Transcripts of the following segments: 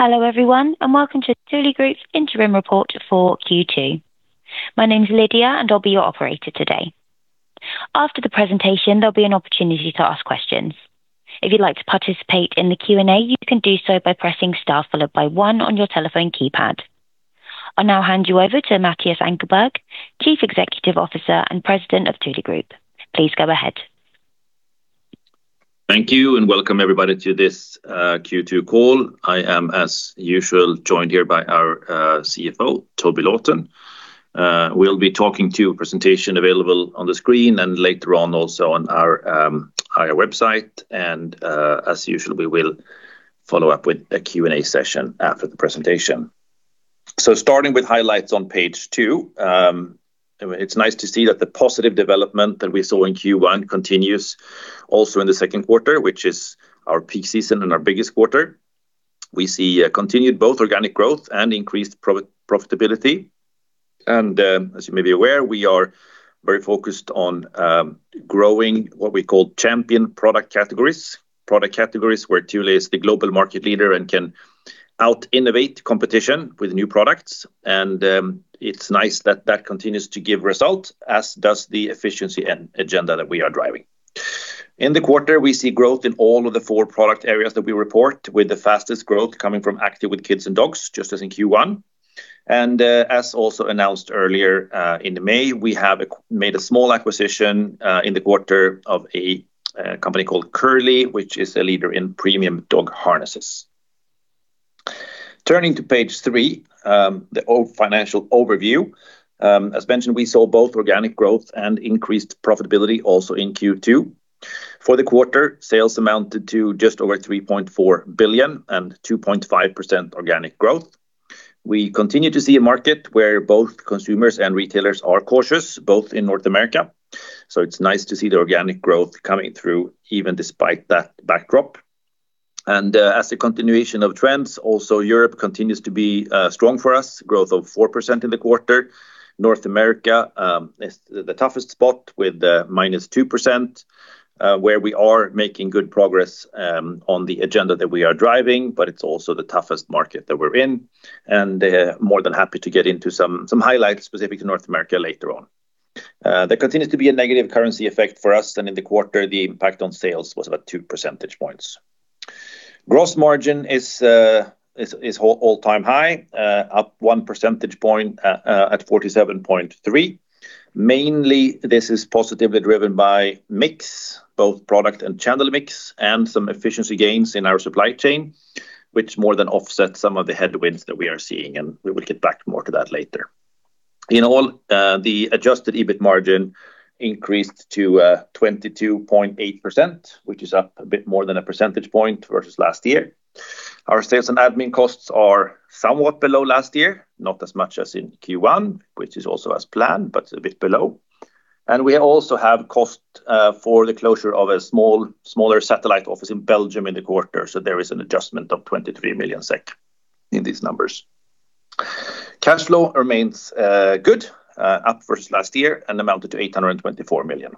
Hello everyone, and welcome to Thule Group's interim report for Q2. My name's Lydia, and I'll be your operator today. After the presentation, there'll be an opportunity to ask questions. If you'd like to participate in the Q&A, you can do so by pressing star followed by one on your telephone keypad. I'll now hand you over to Mattias Ankarberg, Chief Executive Officer and President of Thule Group. Please go ahead. Thank you, and welcome everybody to this Q2 call. I am, as usual, joined here by our CFO, Toby Lawton. We'll be talking to a presentation available on the screen and later on also on our website. As usual, we will follow up with a Q&A session after the presentation. Starting with highlights on page two, it's nice to see that the positive development that we saw in Q1 continues also in the second quarter, which is our peak season and our biggest quarter. We see a continued both organic growth and increased profitability. As you may be aware, we are very focused on growing what we call Champion product categories, product categories where Thule is the global market leader and can out-innovate competition with new products. It's nice that that continues to give results, as does the efficiency agenda that we are driving. In the quarter, we see growth in all of the four product areas that we report, with the fastest growth coming from Active with Kids & Dogs, just as in Q1. As also announced earlier in May, we have made a small acquisition in the quarter of a company called Curli, which is a leader in premium dog harnesses. Turning to page three, the financial overview. As mentioned, we saw both organic growth and increased profitability also in Q2. For the quarter, sales amounted to just over 3.4 billion and 2.5% organic growth. We continue to see a market where both consumers and retailers are cautious, both in North America, so it's nice to see the organic growth coming through even despite that backdrop. As a continuation of trends, also Europe continues to be strong for us, growth of 4% in the quarter. North America is the toughest spot with -2%, where we are making good progress on the agenda that we are driving, but it's also the toughest market that we're in, and more than happy to get into some highlights specific to North America later on. There continues to be a negative currency effect for us, and in the quarter, the impact on sales was about two percentage points. Gross margin is all-time high, up 1 percentage point at 47.3%. Mainly, this is positively driven by mix, both product and channel mix, and some efficiency gains in our supply chain, which more than offset some of the headwinds that we are seeing, and we will get back more to that later. In all, the adjusted EBIT margin increased to 22.8%, which is up a bit more than a percentage point versus last year. Our sales and admin costs are somewhat below last year, not as much as in Q1, which is also as planned, but a bit below. We also have cost for the closure of a smaller satellite office in Belgium in the quarter, so there is an adjustment of 23 million SEK in these numbers. Cash flow remains good, up versus last year and amounted to 824 million.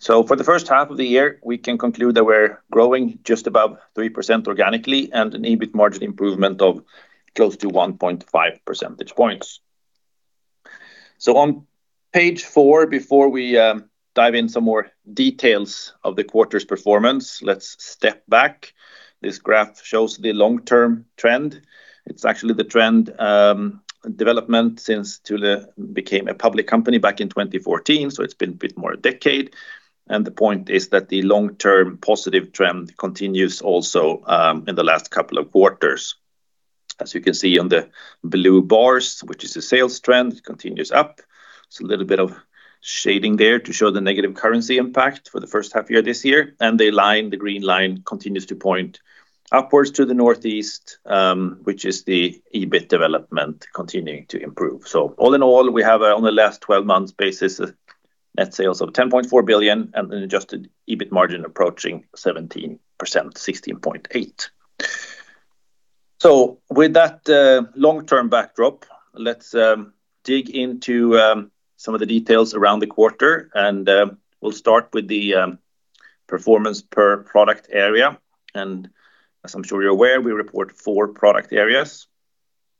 For the first half of the year, we can conclude that we're growing just above 3% organically and an EBIT margin improvement of close to 1.5 percentage points. On page four, before we dive in some more details of the quarter's performance, let's step back. This graph shows the long-term trend. It's actually the trend development since Thule became a public company back in 2014, so it's been a bit more a decade. The point is that the long-term positive trend continues also in the last couple of quarters. As you can see on the blue bars, which is the sales trend, continues up. It's a little bit of shading there to show the negative currency impact for the first half year this year, and the line, the green line, continues to point upwards to the northeast, which is the EBIT development continuing to improve. All in all, we have on the last 12 months basis, net sales of 10.4 billion and an adjusted EBIT margin approaching 17%, 16.8%. With that long-term backdrop, let's dig into some of the details around the quarter, and we'll start with the performance per product area. As I'm sure you're aware, we report four product areas.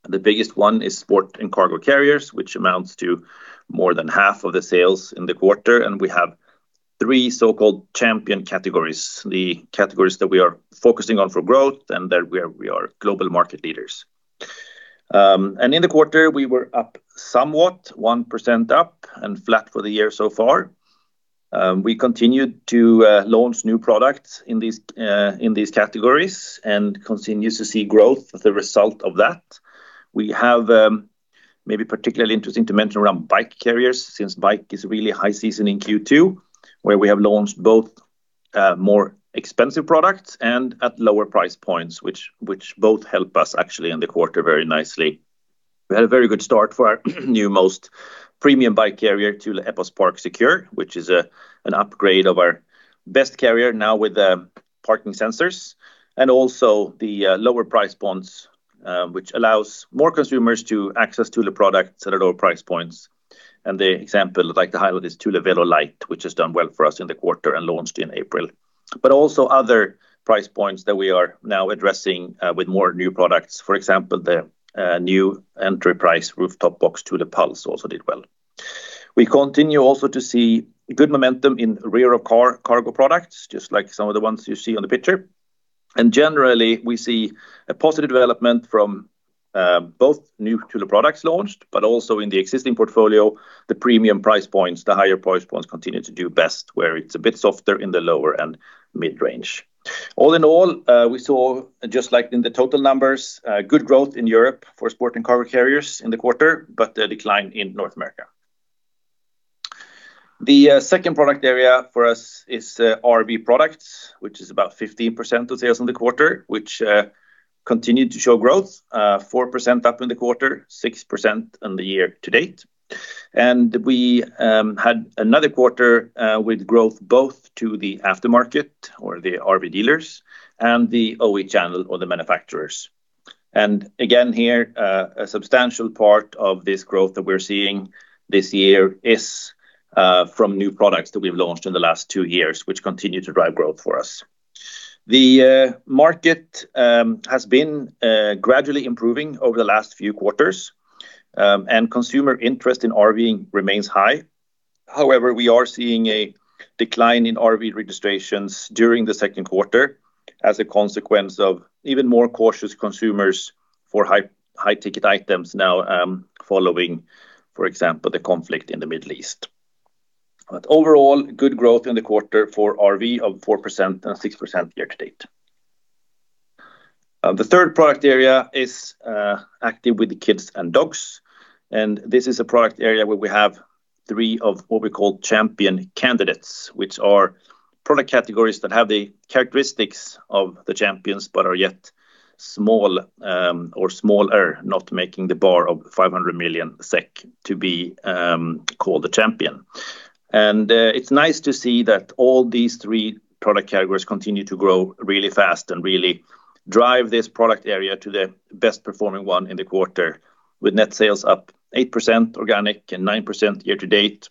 The biggest one is Sport & Cargo Carriers, which amounts to more than half of the sales in the quarter. We have three so-called Champion categories, the categories that we are focusing on for growth and that we are global market leaders. In the quarter, we were up somewhat, 1% up and flat for the year so far. We continued to launch new products in these categories and continue to see growth as a result of that. We have maybe particularly interesting to mention around bike carriers since bike is really high season in Q2, where we have launched both more expensive products and at lower price points, which both help us actually in the quarter very nicely. We had a very good start for our new most premium bike carrier, Thule Epos ParkSecure, which is an upgrade of our best carrier now with parking sensors and also the lower price points, which allows more consumers to access Thule products at lower price points. The example I'd like to highlight is Thule VeloLite, which has done well for us in the quarter and launched in April. Also other price points that we are now addressing with more new products. For example, the new entry price rooftop box, Thule Pulse, also did well. We continue also to see good momentum in rear of car cargo products, just like some of the ones you see on the picture. Generally, we see a positive development from both new Thule products launched, but also in the existing portfolio, the premium price points, the higher price points continue to do best, where it is a bit softer in the lower and mid-range. All in all, we saw, just like in the total numbers, good growth in Europe for Sport & Cargo Carriers in the quarter, but a decline in North America. The second product area for us is RV Products, which is about 15% of sales in the quarter, which continued to show growth, 4% up in the quarter, 6% in the year to date. We had another quarter with growth both to the aftermarket or the RV dealers and the OE channel or the manufacturers. Again here, a substantial part of this growth that we are seeing this year is from new products that we have launched in the last two years, which continue to drive growth for us. The market has been gradually improving over the last few quarters, and consumer interest in RVing remains high. However, we are seeing a decline in RV registrations during the second quarter as a consequence of even more cautious consumers for high-ticket items now following, for example, the conflict in the Middle East. Overall, good growth in the quarter for RV of 4% and 6% year to date. The third product area is Active with Kids & Dogs. This is a product area where we have three of what we call Champion candidates, which are product categories that have the characteristics of the Champions but are yet small or smaller, not making the bar of 500 million SEK to be called a Champion. It is nice to see that all these three product categories continue to grow really fast and really drive this product area to the best performing one in the quarter with net sales up 8% organic and 9% year to date.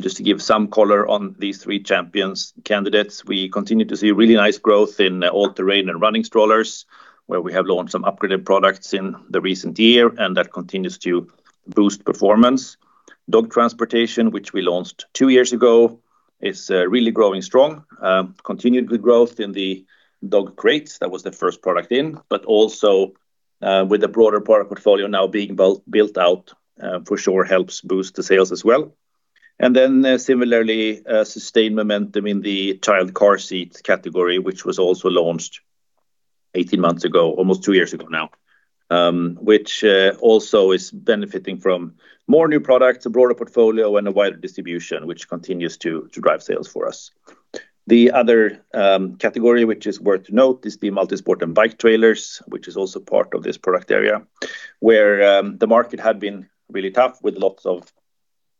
Just to give some color on these three Champions candidates, we continue to see really nice growth in all-terrain and running strollers, where we have launched some upgraded products in the recent year, and that continues to boost performance. Dog transportation, which we launched two years ago, is really growing strong. Continued good growth in the dog crates. That was the first product in, but also with the broader product portfolio now being built out, for sure helps boost the sales as well. Similarly, sustained momentum in the child car seat category, which was also launched 18 months ago, almost two years ago now, which also is benefiting from more new products, a broader portfolio, and a wider distribution, which continues to drive sales for us. The other category, which is worth to note, is the multisport and bike trailers, which is also part of this product area, where the market had been really tough with lots of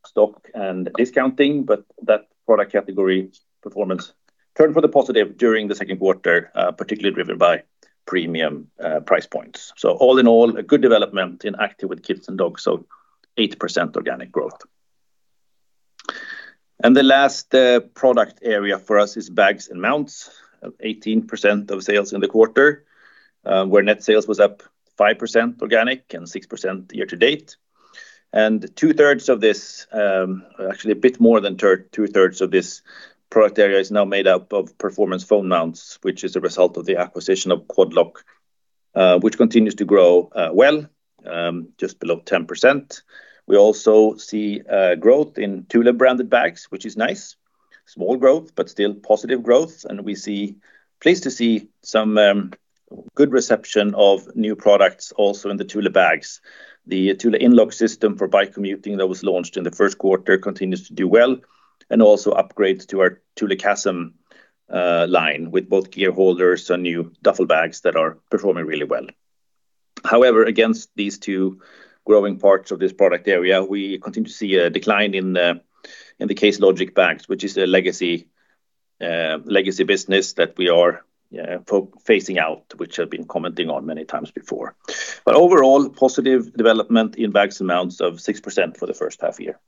stock and discounting, but that product category performance turned for the positive during the second quarter, particularly driven by premium price points. All in all, a good development in Active with Kids & Dogs, so 8% organic growth. The last product area for us is Bags and Mounts. 18% of sales in the quarter, where net sales was up 5% organic and 6% year-to-date. Two-thirds of this, actually a bit more than two-thirds of this product area is now made up of performance phone mounts, which is a result of the acquisition of Quad Lock, which continues to grow well, just below 10%. We also see growth in Thule-branded bags, which is nice. Small growth, but still positive growth. We see, pleased to see some good reception of new products also in the Thule bags. The Thule InLock system for bike commuting that was launched in the first quarter continues to do well, and also upgrades to our Thule Chasm line with both gear haulers and new duffel bags that are performing really well. However, against these two growing parts of this product area, we continue to see a decline in the Case Logic bags, which is a legacy business that we are phasing out, which I have been commenting on many times before. Overall, positive development in Bags and Mounts of 6% for the first half year.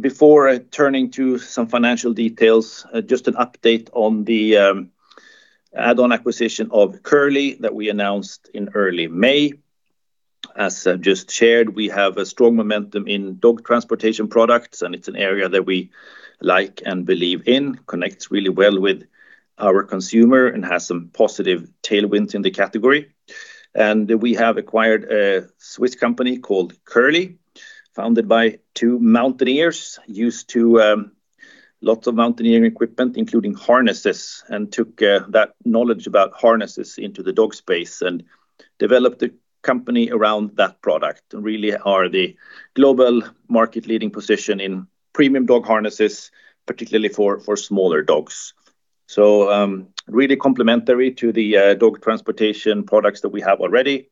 Before turning to some financial details, just an update on the add-on acquisition of Curli that we announced in early May. As I have just shared, we have a strong momentum in dog transportation products, and it is an area that we like and believe in, connects really well with our consumer and has some positive tailwind in the category. We have acquired a Swiss company called Curli, founded by two mountaineers, used to lots of mountaineering equipment, including harnesses, and took that knowledge about harnesses into the dog space and developed a company around that product and really are the global market leading position in premium dog harnesses, particularly for smaller dogs. So really complementary to the dog transportation products that we have already.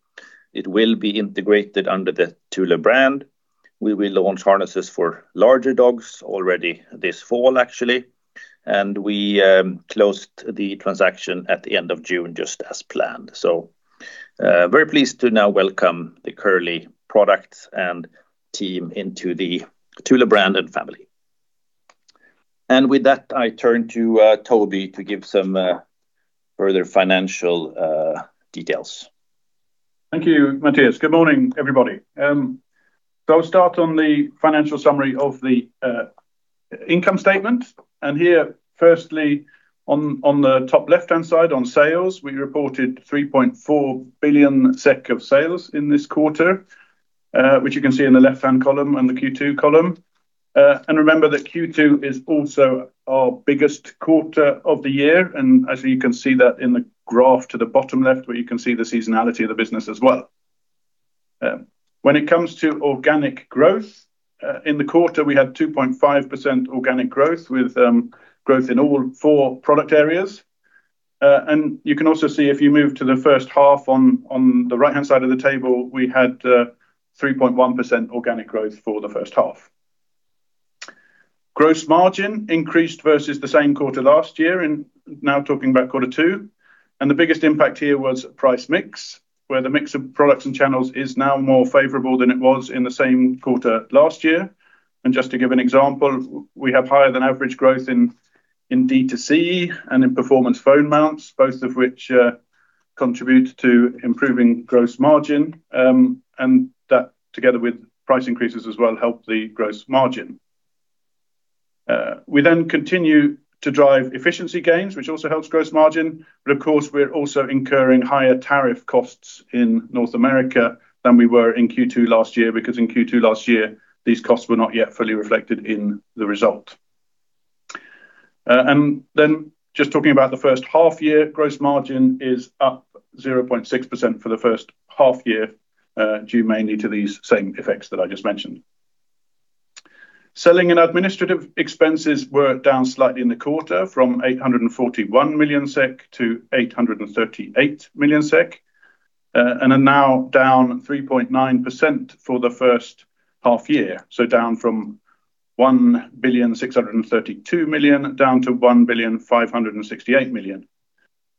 It will be integrated under the Thule brand. We will launch harnesses for larger dogs already this fall actually. We closed the transaction at the end of June, just as planned. Very pleased to now welcome the Curli product and team into the Thule brand and family. With that, I turn to Toby to give some further financial details. Thank you, Mattias. Good morning, everybody. I will start on the financial summary of the income statement, and here firstly, on the top left-hand side on sales, we reported 3.4 billion SEK of sales in this quarter, which you can see in the left-hand column and the Q2 column. Remember that Q2 is also our biggest quarter of the year, and actually, you can see that in the graph to the bottom left where you can see the seasonality of the business as well. When it comes to organic growth, in the quarter, we had 2.5% organic growth with growth in all four product areas. You can also see if you move to the first half on the right-hand side of the table, we had 3.1% organic growth for the first half. Gross margin increased versus the same quarter last year now talking about Q2. The biggest impact here was price mix, where the mix of products and channels is now more favorable than it was in the same quarter last year. Just to give an example, we have higher than average growth in D2C and in performance phone mounts, both of which contribute to improving gross margin, that together with price increases as well help the gross margin. We continue to drive efficiency gains, which also helps gross margin, but of course, we're also incurring higher tariff costs in North America than we were in Q2 last year because in Q2 last year, these costs were not yet fully reflected in the result. Just talking about the first half year, gross margin is up 0.6% for the first half year, due mainly to these same effects that I just mentioned. Selling and administrative expenses were down slightly in the quarter from 841 million SEK to 838 million SEK, are now down 3.9% for the first half year, so down from 1,632 billion to 1,568 billion.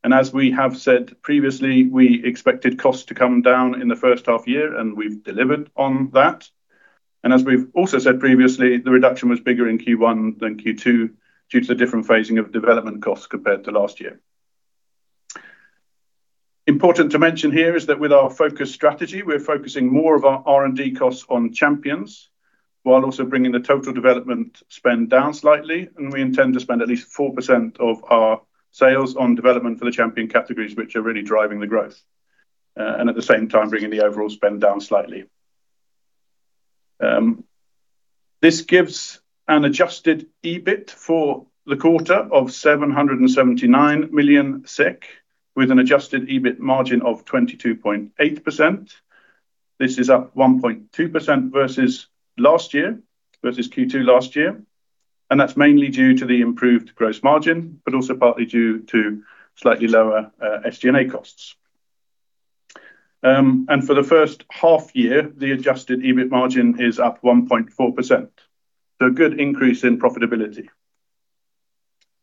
As we have said previously, we expected costs to come down in the first half year, and we've delivered on that. As we've also said previously, the reduction was bigger in Q1 than Q2 due to the different phasing of development costs compared to last year. Important to mention here is that with our focus strategy, we're focusing more of our R&D costs on champions while also bringing the total development spend down slightly. We intend to spend at least 4% of our sales on development for the champion categories, which are really driving the growth. At the same time, bringing the overall spend down slightly. This gives an adjusted EBIT for the quarter of 779 million SEK with an adjusted EBIT margin of 22.8%. This is up 1.2% versus last year, versus Q2 last year, that's mainly due to the improved gross margin, but also partly due to slightly lower SG&A costs. For the first half year, the adjusted EBIT margin is up 1.4%, so a good increase in profitability.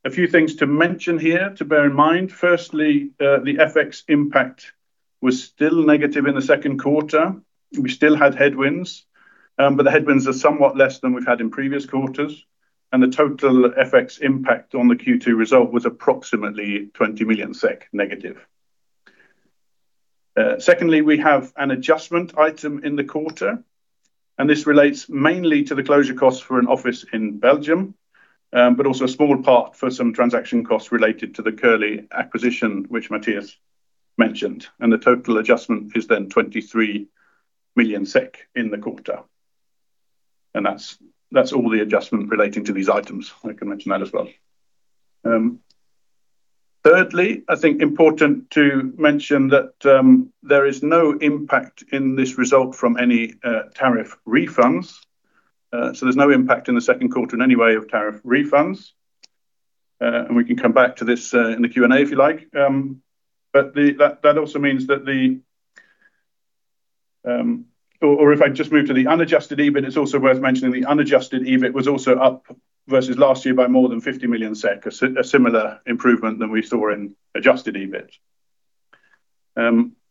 A few things to mention here to bear in mind. Firstly, the FX impact was still negative in the second quarter. We still had headwinds, the headwinds are somewhat less than we've had in previous quarters, the total FX impact on the Q2 result was approximately 20 million SEK-. Secondly, we have an adjustment item in the quarter, this relates mainly to the closure costs for an office in Belgium, but also a small part for some transaction costs related to the Curli acquisition, which Mattias mentioned. The total adjustment is then 23 million SEK in the quarter, that's all the adjustment relating to these items. I can mention that as well. Thirdly, I think important to mention that there is no impact in this result from any tariff refunds, there's no impact in the second quarter in any way of tariff refunds. We can come back to this in the Q&A if you like. That also means that if I just move to the unadjusted EBIT, it is also worth mentioning the unadjusted EBIT was also up versus last year by more than 50 million SEK, a similar improvement than we saw in adjusted EBIT.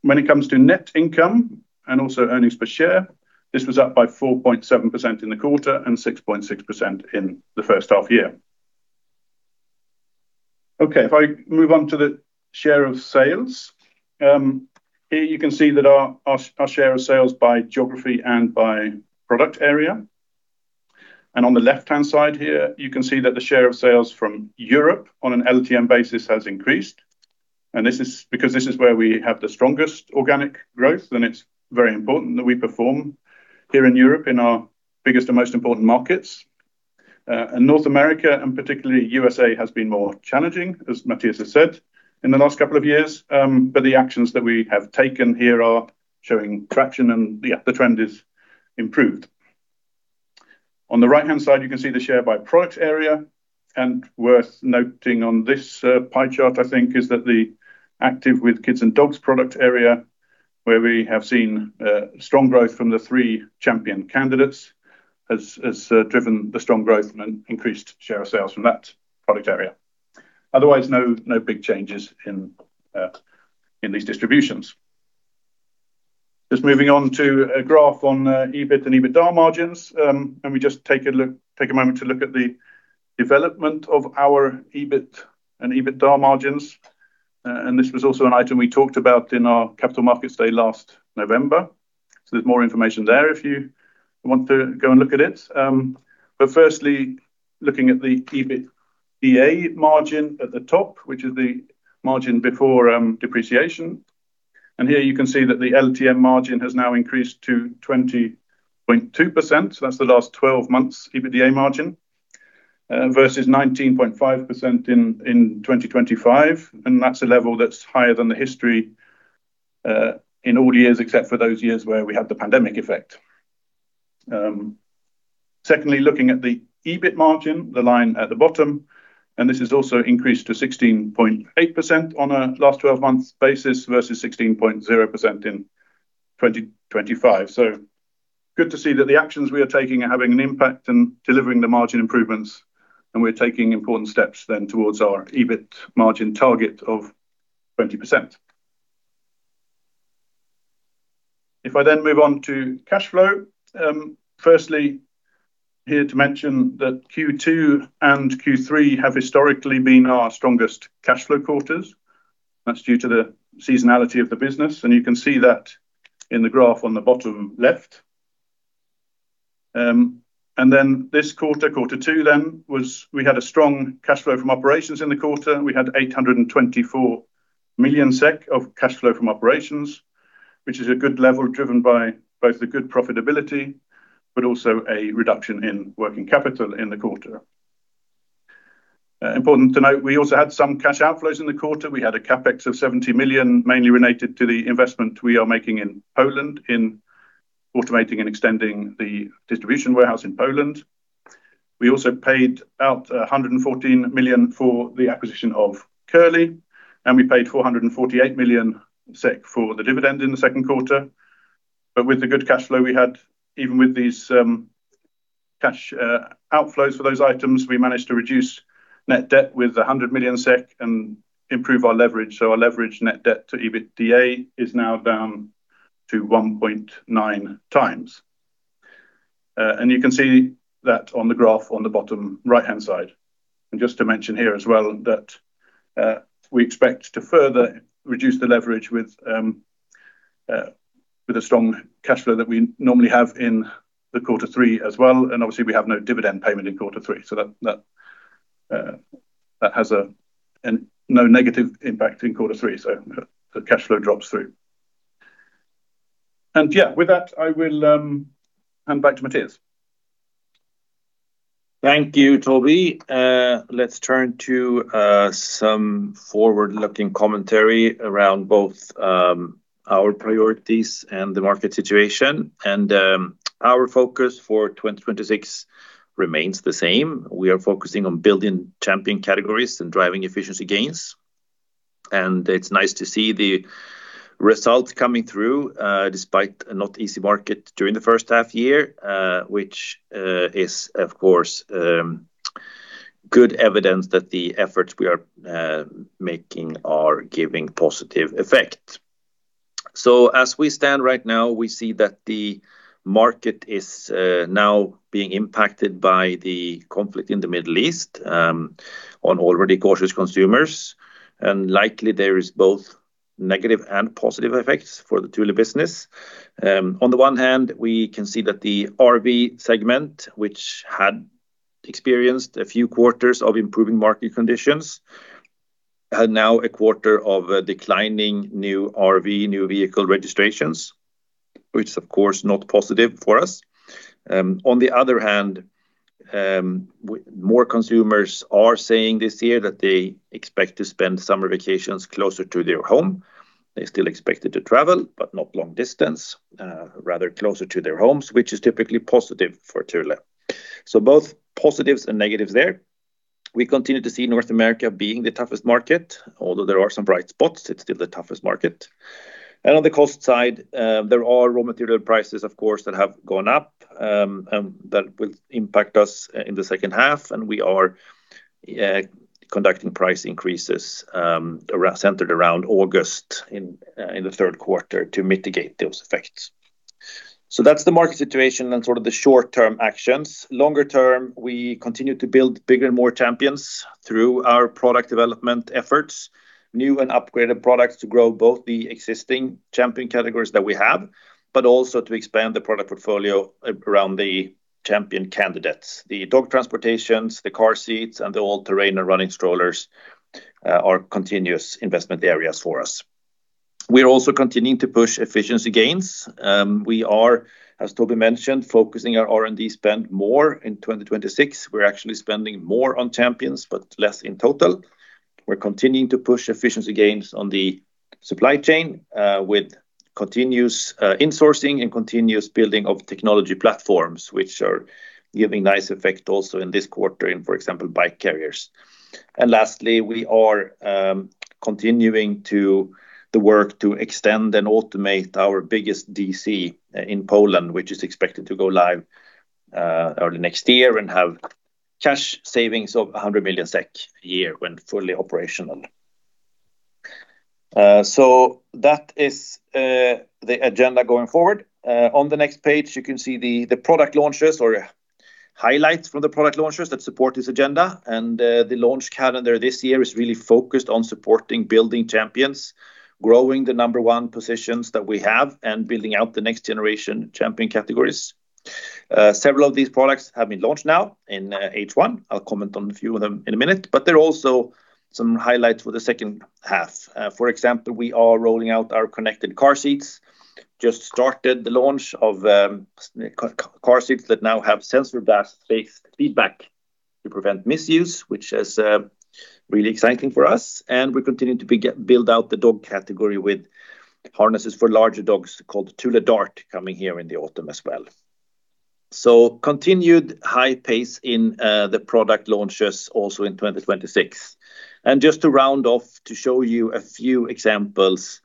When it comes to net income and also earnings per share, this was up by 4.7% in the quarter and 6.6% in the first half year. If I move on to the share of sales. Here you can see that our share of sales by geography and by product area. On the left-hand side here, you can see that the share of sales from Europe on an LTM basis has increased. This is because this is where we have the strongest organic growth, and it is very important that we perform here in Europe in our biggest and most important markets. In North America, and particularly U.S.A., has been more challenging, as Mattias has said, in the last couple of years. The actions that we have taken here are showing traction and the trend is improved. On the right-hand side, you can see the share by product area, and worth noting on this pie chart, I think, is that the Active with Kids & Dogs product area where we have seen strong growth from the three Champion candidates has driven the strong growth and increased share of sales from that product area. Otherwise, no big changes in these distributions. Just moving on to a graph on EBIT and EBITDA margins, we just take a moment to look at the development of our EBIT and EBITDA margins. This was also an item we talked about in our Capital Markets Day last November. There is more information there if you want to go and look at it. Firstly, looking at the EBITDA margin at the top, which is the margin before depreciation. Here you can see that the LTM margin has now increased to 20.2%. That is the last 12 months EBITDA margin versus 19.5% in 2025, and that is a level that is higher than the history in all years except for those years where we had the pandemic effect. Secondly, looking at the EBIT margin, the line at the bottom, this has also increased to 16.8% on a last 12 months basis versus 16.0% in 2025. Good to see that the actions we are taking are having an impact and delivering the margin improvements, we are taking important steps towards our EBIT margin target of 20%. If I move on to cash flow. Firstly, here to mention that Q2 and Q3 have historically been our strongest cash flow quarters. That is due to the seasonality of the business, and you can see that in the graph on the bottom left. This quarter two, we had a strong cash flow from operations in the quarter. We had 824 million SEK of cash flow from operations, which is a good level, driven by both the good profitability, but also a reduction in working capital in the quarter. Important to note, we also had some cash outflows in the quarter. We had a CapEx of 70 million, mainly related to the investment we are making in Poland in automating and extending the distribution warehouse in Poland. We also paid out 114 million for the acquisition of Curli, and we paid 448 million SEK for the dividend in the second quarter. With the good cash flow we had, even with these cash outflows for those items, we managed to reduce net debt with 100 million SEK and improve our leverage. Our leverage net debt to EBITDA is now down to 1.9x. You can see that on the graph on the bottom right-hand side. Just to mention here as well that we expect to further reduce the leverage with a strong cash flow that we normally have in the quarter three as well, and obviously we have no dividend payment in quarter three, so that has no negative impact in quarter three. The cash flow drops through. Yeah, with that, I will hand back to Mattias. Thank you, Toby. Let's turn to some forward-looking commentary around both our priorities and the market situation. Our focus for 2026 remains the same. We are focusing on building Champion categories and driving efficiency gains, and it's nice to see the results coming through despite a not easy market during the first half year, which is, of course, good evidence that the efforts we are making are giving positive effect. As we stand right now, we see that the market is now being impacted by the conflict in the Middle East on already cautious consumers, and likely there is both negative and positive effects for the Thule business. On the one hand, we can see that the RV segment, which had experienced a few quarters of improving market conditions, had now a quarter of declining new RV, new vehicle registrations, which is of course not positive for us. On the other hand, more consumers are saying this year that they expect to spend summer vacations closer to their home. They still expected to travel, but not long distance, rather closer to their homes, which is typically positive for Thule. Both positives and negatives there. We continue to see North America being the toughest market. Although there are some bright spots, it's still the toughest market. On the cost side, there are raw material prices, of course, that have gone up, and that will impact us in the second half, and we are conducting price increases centered around August in the third quarter to mitigate those effects. That's the market situation and sort of the short-term actions. Longer term, we continue to build bigger and more Champions through our product development efforts. New and upgraded products to grow both the existing Champion categories that we have, but also to expand the product portfolio around the Champion candidates. The dog transportations, the car seats, and the all-terrain and running strollers are continuous investment areas for us. We are also continuing to push efficiency gains. We are, as Toby mentioned, focusing our R&D spend more in 2026. We're actually spending more on Champions, but less in total. We're continuing to push efficiency gains on the supply chain with continuous insourcing and continuous building of technology platforms, which are giving nice effect also in this quarter in, for example, bike carriers. Lastly, we are continuing the work to extend and automate our biggest DC in Poland, which is expected to go live early next year and have cash savings of 100 million SEK a year when fully operational. That is the agenda going forward. On the next page, you can see the product launches or highlights from the product launches that support this agenda. The launch calendar this year is really focused on supporting building Champions, growing the number one positions that we have, and building out the next generation Champion categories. Several of these products have been launched now in H1. I'll comment on a few of them in a minute, but there are also some highlights for the second half. For example, we are rolling out our connected car seats. Just started the launch of car seats that now have sensor-based feedback to prevent misuse, which is really exciting for us. We're continuing to build out the dog category with harnesses for larger dogs called Thule Dart coming here in the autumn as well. Continued high pace in the product launches also in 2026. Just to round off to show you a few examples,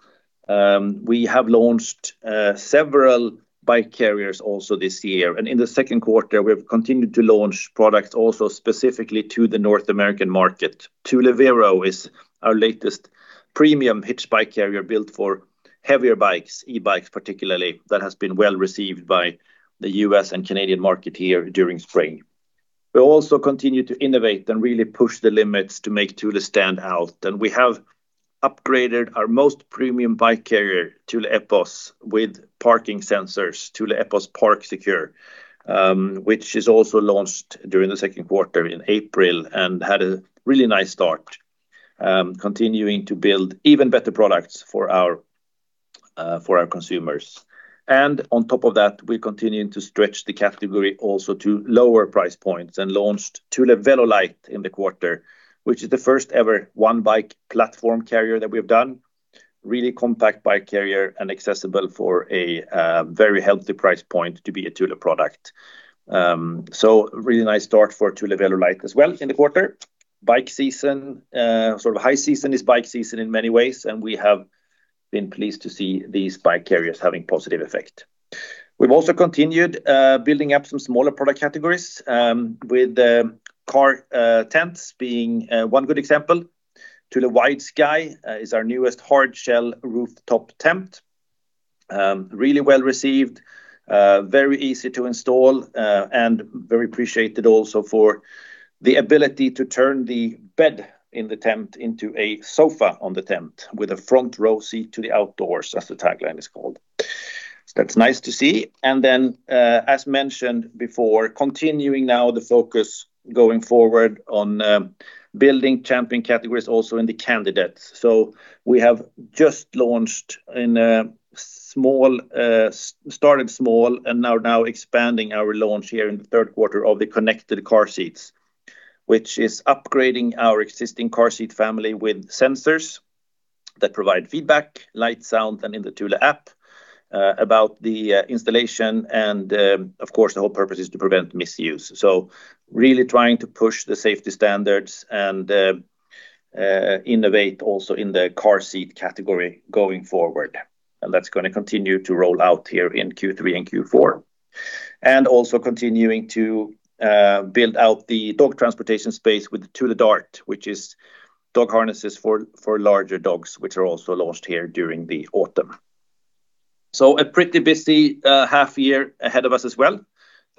we have launched several bike carriers also this year. In the second quarter, we've continued to launch products also specifically to the North American market. Thule Vero is our latest premium hitch bike carrier built for heavier bikes, e-bikes particularly, that has been well-received by the U.S. and Canadian market here during spring. We also continue to innovate and really push the limits to make Thule stand out. We have upgraded our most premium bike carrier, Thule Epos, with parking sensors, Thule Epos ParkSecure, which is also launched during the second quarter in April and had a really nice start, continuing to build even better products for our consumers. On top of that, we're continuing to stretch the category also to lower price points and launched Thule VeloLite in the quarter, which is the first ever one-bike platform carrier that we've done. Really compact bike carrier and accessible for a very healthy price point to be a Thule product. Really nice start for Thule VeloLite as well in the quarter. High season is bike season in many ways, and we have been pleased to see these bike carriers having positive effect. We've also continued building up some smaller product categories, with car tents being one good example. Thule Widesky is our newest hardshell rooftop tent. Really well-received, very easy to install, and very appreciated also for the ability to turn the bed in the tent into a sofa on the tent with a front row seat to the outdoors, as the tagline is called. That's nice to see. As mentioned before, continuing now the focus going forward on building Champion categories also in the Champion candidates. We have just started small and are now expanding our launch here in the third quarter of the connected car seats, which is upgrading our existing car seat family with sensors that provide feedback, light, sound, and in the Thule app about the installation. Of course, the whole purpose is to prevent misuse. Really trying to push the safety standards and innovate also in the car seat category going forward. That's going to continue to roll out here in Q3 and Q4. Continuing to build out the dog transportation space with Thule Dart, which is dog harnesses for larger dogs, which are also launched here during the autumn. A pretty busy half year ahead of us as well.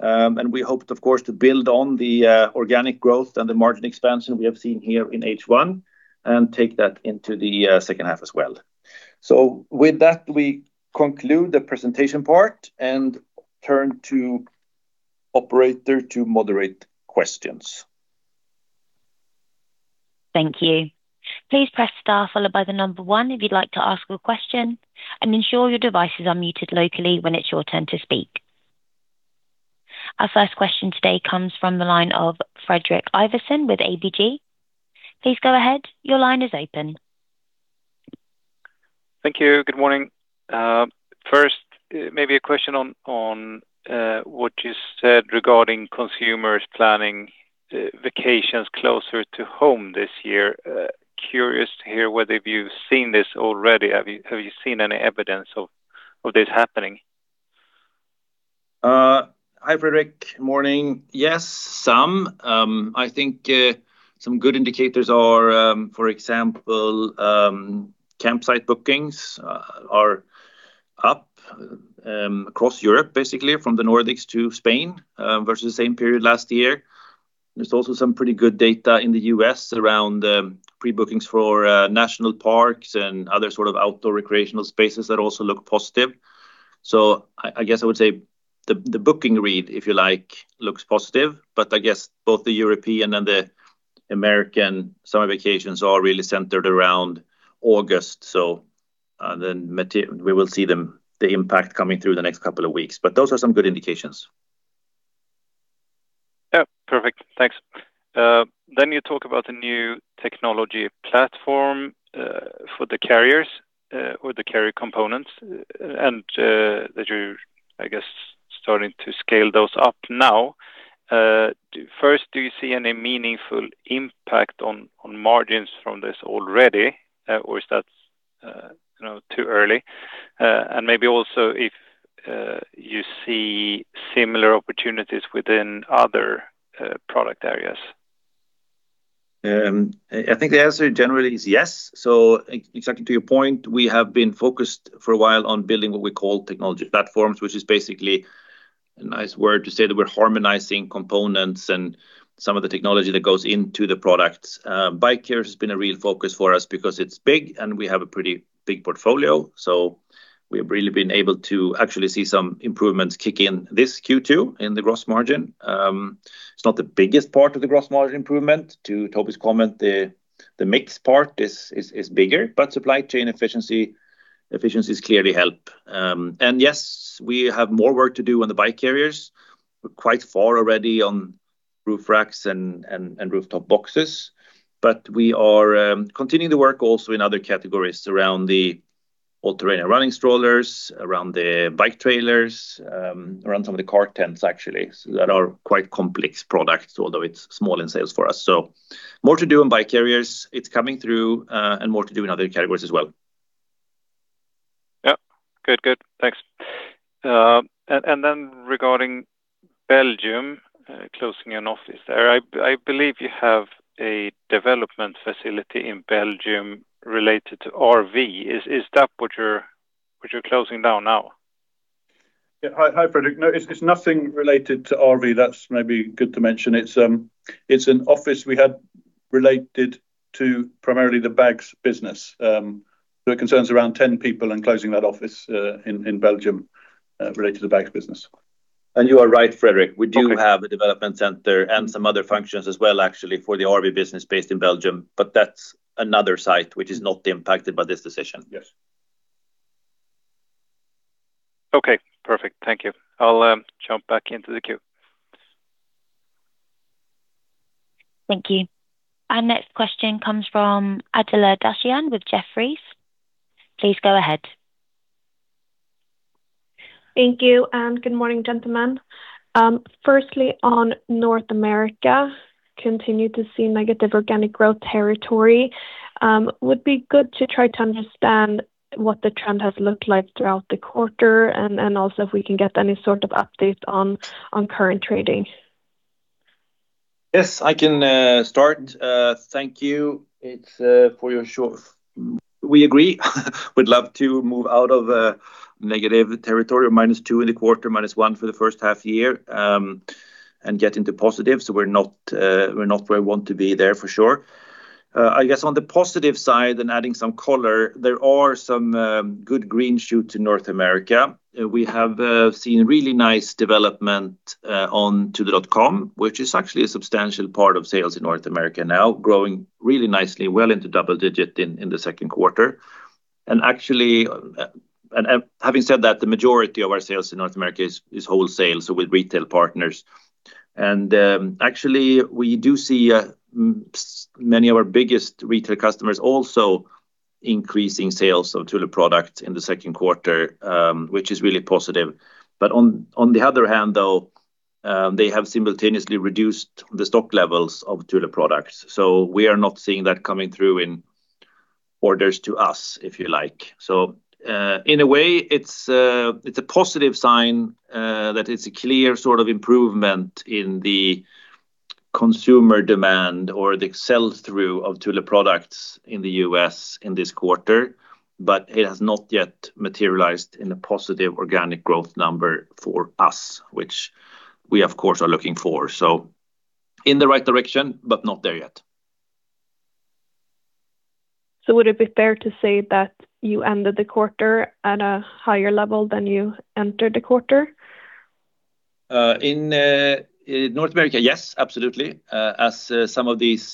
We hope, of course, to build on the organic growth and the margin expansion we have seen here in H1 and take that into the second half as well. With that, we conclude the presentation part and turn to Operator to moderate questions. Thank you. Please press star followed by the number one if you'd like to ask a question and ensure your devices are muted locally when it's your turn to speak. Our first question today comes from the line of Fredrik Ivarsson with ABG. Please go ahead. Your line is open. Thank you. Good morning. First, maybe a question on what you said regarding consumers planning vacations closer to home this year. Curious to hear whether you've seen this already. Have you seen any evidence of this happening? Hi, Fredrik. Morning. Yes, some. I think some good indicators are, for example, campsite bookings are up across Europe, basically from the Nordics to Spain, versus the same period last year. There's also some pretty good data in the U.S. around pre-bookings for national parks and other sort of outdoor recreational spaces that also look positive. I guess I would say the booking read, if you like, looks positive, but I guess both the European and the American summer vacations are really centered around August. Then we will see the impact coming through the next couple of weeks. Those are some good indications. Yeah. Perfect. Thanks. You talk about the new technology platform for the carriers or the carrier components and that you, I guess starting to scale those up now. First, do you see any meaningful impact on margins from this already? Or is that too early? Maybe also if you see similar opportunities within other product areas. I think the answer generally is yes. Exactly to your point, we have been focused for a while on building what we call technology platforms, which is basically a nice word to say that we're harmonizing components and some of the technology that goes into the products. Bike carriers has been a real focus for us because it's big and we have a pretty big portfolio. We have really been able to actually see some improvements kick in this Q2 in the gross margin. It's not the biggest part of the gross margin improvement to Toby's comment. The mix part is bigger, but supply chain efficiencies clearly help. Yes, we have more work to do on the bike carriers. We're quite far already on roof racks and rooftop boxes. We are continuing to work also in other categories around the all-terrain running strollers, around the bike trailers, around some of the car tents actually, that are quite complex products, although it's small in sales for us. More to do on bike carriers. It's coming through. More to do in other categories as well. Yeah. Good. Thanks. Regarding Belgium, closing an office there, I believe you have a development facility in Belgium related to RV. Is that what you're closing down now? Yeah. Hi, Fredrik. No, it is nothing related to RV. That is maybe good to mention. It is an office we had related to primarily the bags business. It concerns around 10 people and closing that office in Belgium, related to the bags business. You are right, Fredrik. We do have a development center and some other functions as well actually, for the RV business based in Belgium, but that's another site which is not impacted by this decision. Yes. Okay, perfect. Thank you. I'll jump back into the queue. Thank you. Our next question comes from Adela Dashian with Jefferies. Please go ahead. Thank you, and good morning, gentlemen. On North America, continue to see negative organic growth territory. Would be good to try to understand what the trend has looked like throughout the quarter, and also if we can get any sort of update on current trading. Yes, I can start. We agree. We'd love to move out of negative territory, minus two in the quarter, minus one for the first half-year, and get into positive. We're not where we want to be there for sure. I guess on the positive side and adding some color, there are some good green shoots in North America. We have seen really nice development on thule.com, which is actually a substantial part of sales in North America now, growing really nicely, well into double-digit in the second quarter. Having said that, the majority of our sales in North America is wholesale, so with retail partners. Actually we do see many of our biggest retail customers also increasing sales of Thule product in the second quarter, which is really positive. On the other hand though, they have simultaneously reduced the stock levels of Thule products. We are not seeing that coming through in orders to us, if you like. In a way, it's a positive sign that it's a clear improvement in the consumer demand or the sell-through of Thule products in the U.S. in this quarter. It has not yet materialized in a positive organic growth number for us, which we of course are looking for. In the right direction, but not there yet. Would it be fair to say that you ended the quarter at a higher level than you entered the quarter? In North America, yes, absolutely. As some of these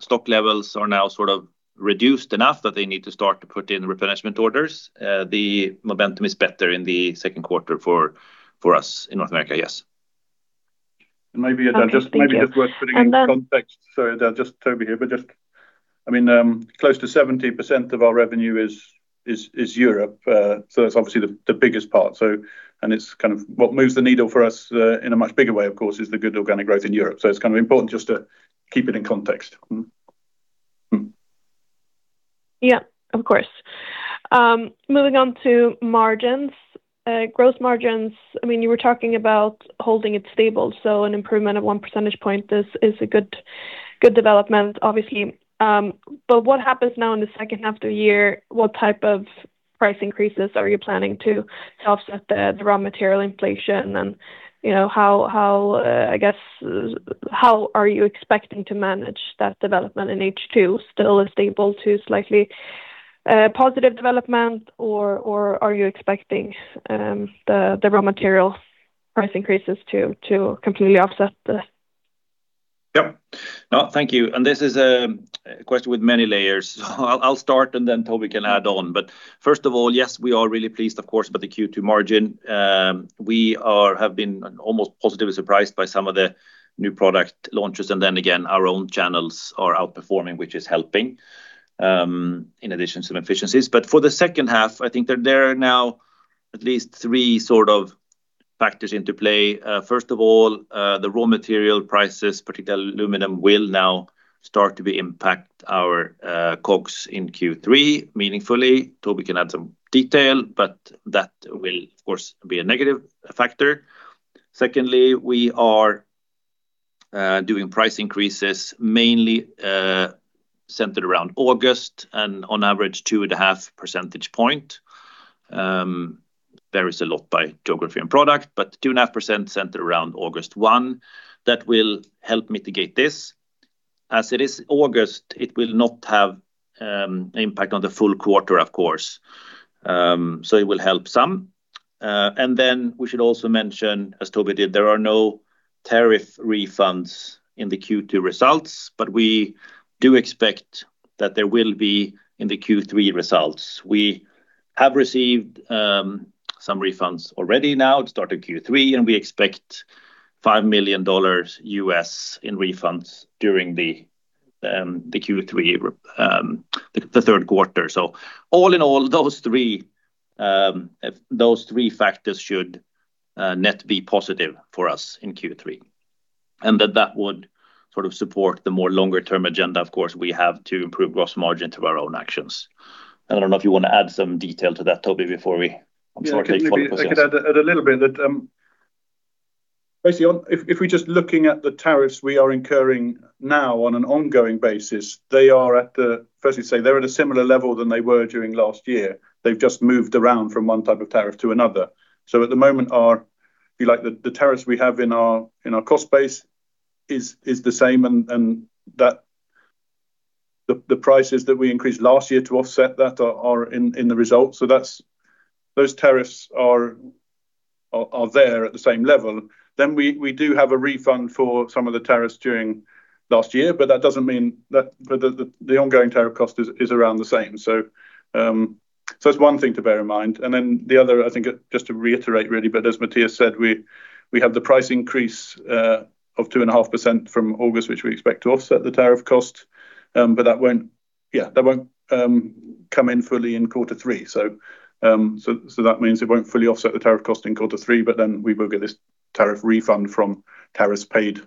stock levels are now reduced enough that they need to start to put in replenishment orders. The momentum is better in the second quarter for us in North America, yes. Maybe just worth putting in context. Sorry, Adela, just Toby here. Close to 70% of our revenue is Europe. That's obviously the biggest part. What moves the needle for us in a much bigger way, of course, is the good organic growth in Europe. It's kind of important just to keep it in context. Yeah, of course. Moving on to margins. Gross margins, you were talking about holding it stable, so an improvement of 1 percentage point is a good development, obviously. What happens now in the second half of the year? What type of price increases are you planning to offset the raw material inflation? How are you expecting to manage that development in H2? Still a stable to slightly positive development, or are you expecting the raw material price increases to completely offset that? Yeah. Thank you. This is a question with many layers. I'll start and then Toby can add on. First of all, yes, we are really pleased, of course, about the Q2 margin. We have been almost positively surprised by some of the new product launches, and then again, our own channels are outperforming, which is helping, in addition to efficiencies. For the second half, I think that there are now at least three sort of factors into play. First of all, the raw material prices, particularly aluminum, will now start to impact our COGS in Q3 meaningfully. Toby can add some detail, but that will, of course, be a negative factor. Secondly, we are doing price increases mainly centered around August and on average 2.5 percentage point. Varies a lot by geography and product, but 2.5% centered around August 1. That will help mitigate this. As it is August, it will not have impact on the full quarter, of course. It will help some. We should also mention, as Toby did, there are no tariff refunds in the Q2 results, but we do expect that there will be in the Q3 results. We have received some refunds already now, starting Q3, and we expect $5 million in refunds during the third quarter. All in all, those three factors should net be positive for us in Q3. That would support the more longer-term agenda, of course, we have to improve gross margin through our own actions. I don't know if you want to add some detail to that, Toby, before we. I'm sorry to take focus off. Yeah. I could add a little bit. Basically, if we're just looking at the tariffs we are incurring now on an ongoing basis, firstly say they're at a similar level than they were during last year. They've just moved around from one type of tariff to another. At the moment, the tariffs we have in our cost base is the same and the prices that we increased last year to offset that are in the results. Those tariffs are there at the same level. We do have a refund for some of the tariffs during last year, but the ongoing tariff cost is around the same. That's one thing to bear in mind. The other, I think, just to reiterate really, but as Mattias said, we have the price increase of 2.5% from August, which we expect to offset the tariff cost. That won't come in fully in quarter three. That means it won't fully offset the tariff cost in quarter three, but then we will get this tariff refund from tariffs paid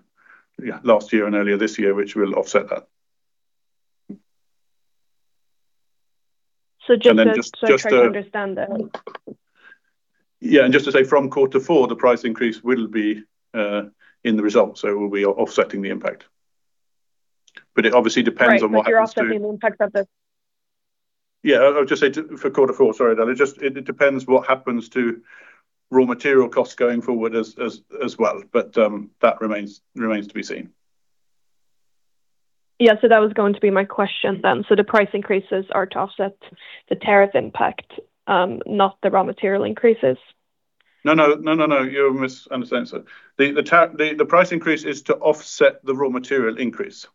last year and earlier this year, which will offset that. Just to try to understand that. Just to say from quarter four, the price increase will be in the result. We'll be offsetting the impact. It obviously depends on what happens to. Right, you're offsetting the impact of the. Yeah, I'll just say for quarter four, sorry. It depends what happens to raw material costs going forward as well, but that remains to be seen. Yeah. That was going to be my question then. The price increases are to offset the tariff impact, not the raw material increases? No, you're misunderstanding. The price increase is to offset the raw material increase.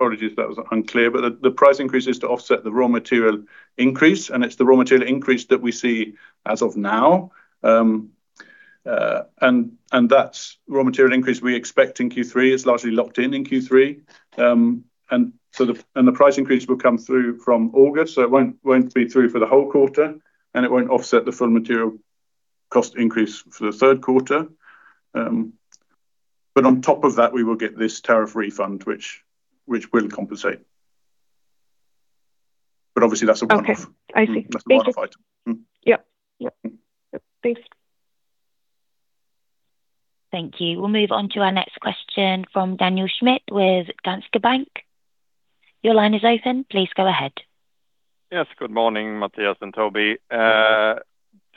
Apologies if that was unclear, the price increase is to offset the raw material increase, and it's the raw material increase that we see as of now. That raw material increase we expect in Q3 is largely locked in in Q3. The price increase will come through from August, so it won't be through for the whole quarter, and it won't offset the full material cost increase for the third quarter. On top of that, we will get this tariff refund which will compensate. Obviously that's a one-off. Okay. I see. That's a one-off item. Yep. Thanks. Thank you. We'll move on to our next question from Daniel Schmidt with Danske Bank. Your line is open. Please go ahead. Yes, good morning, Mattias and Toby.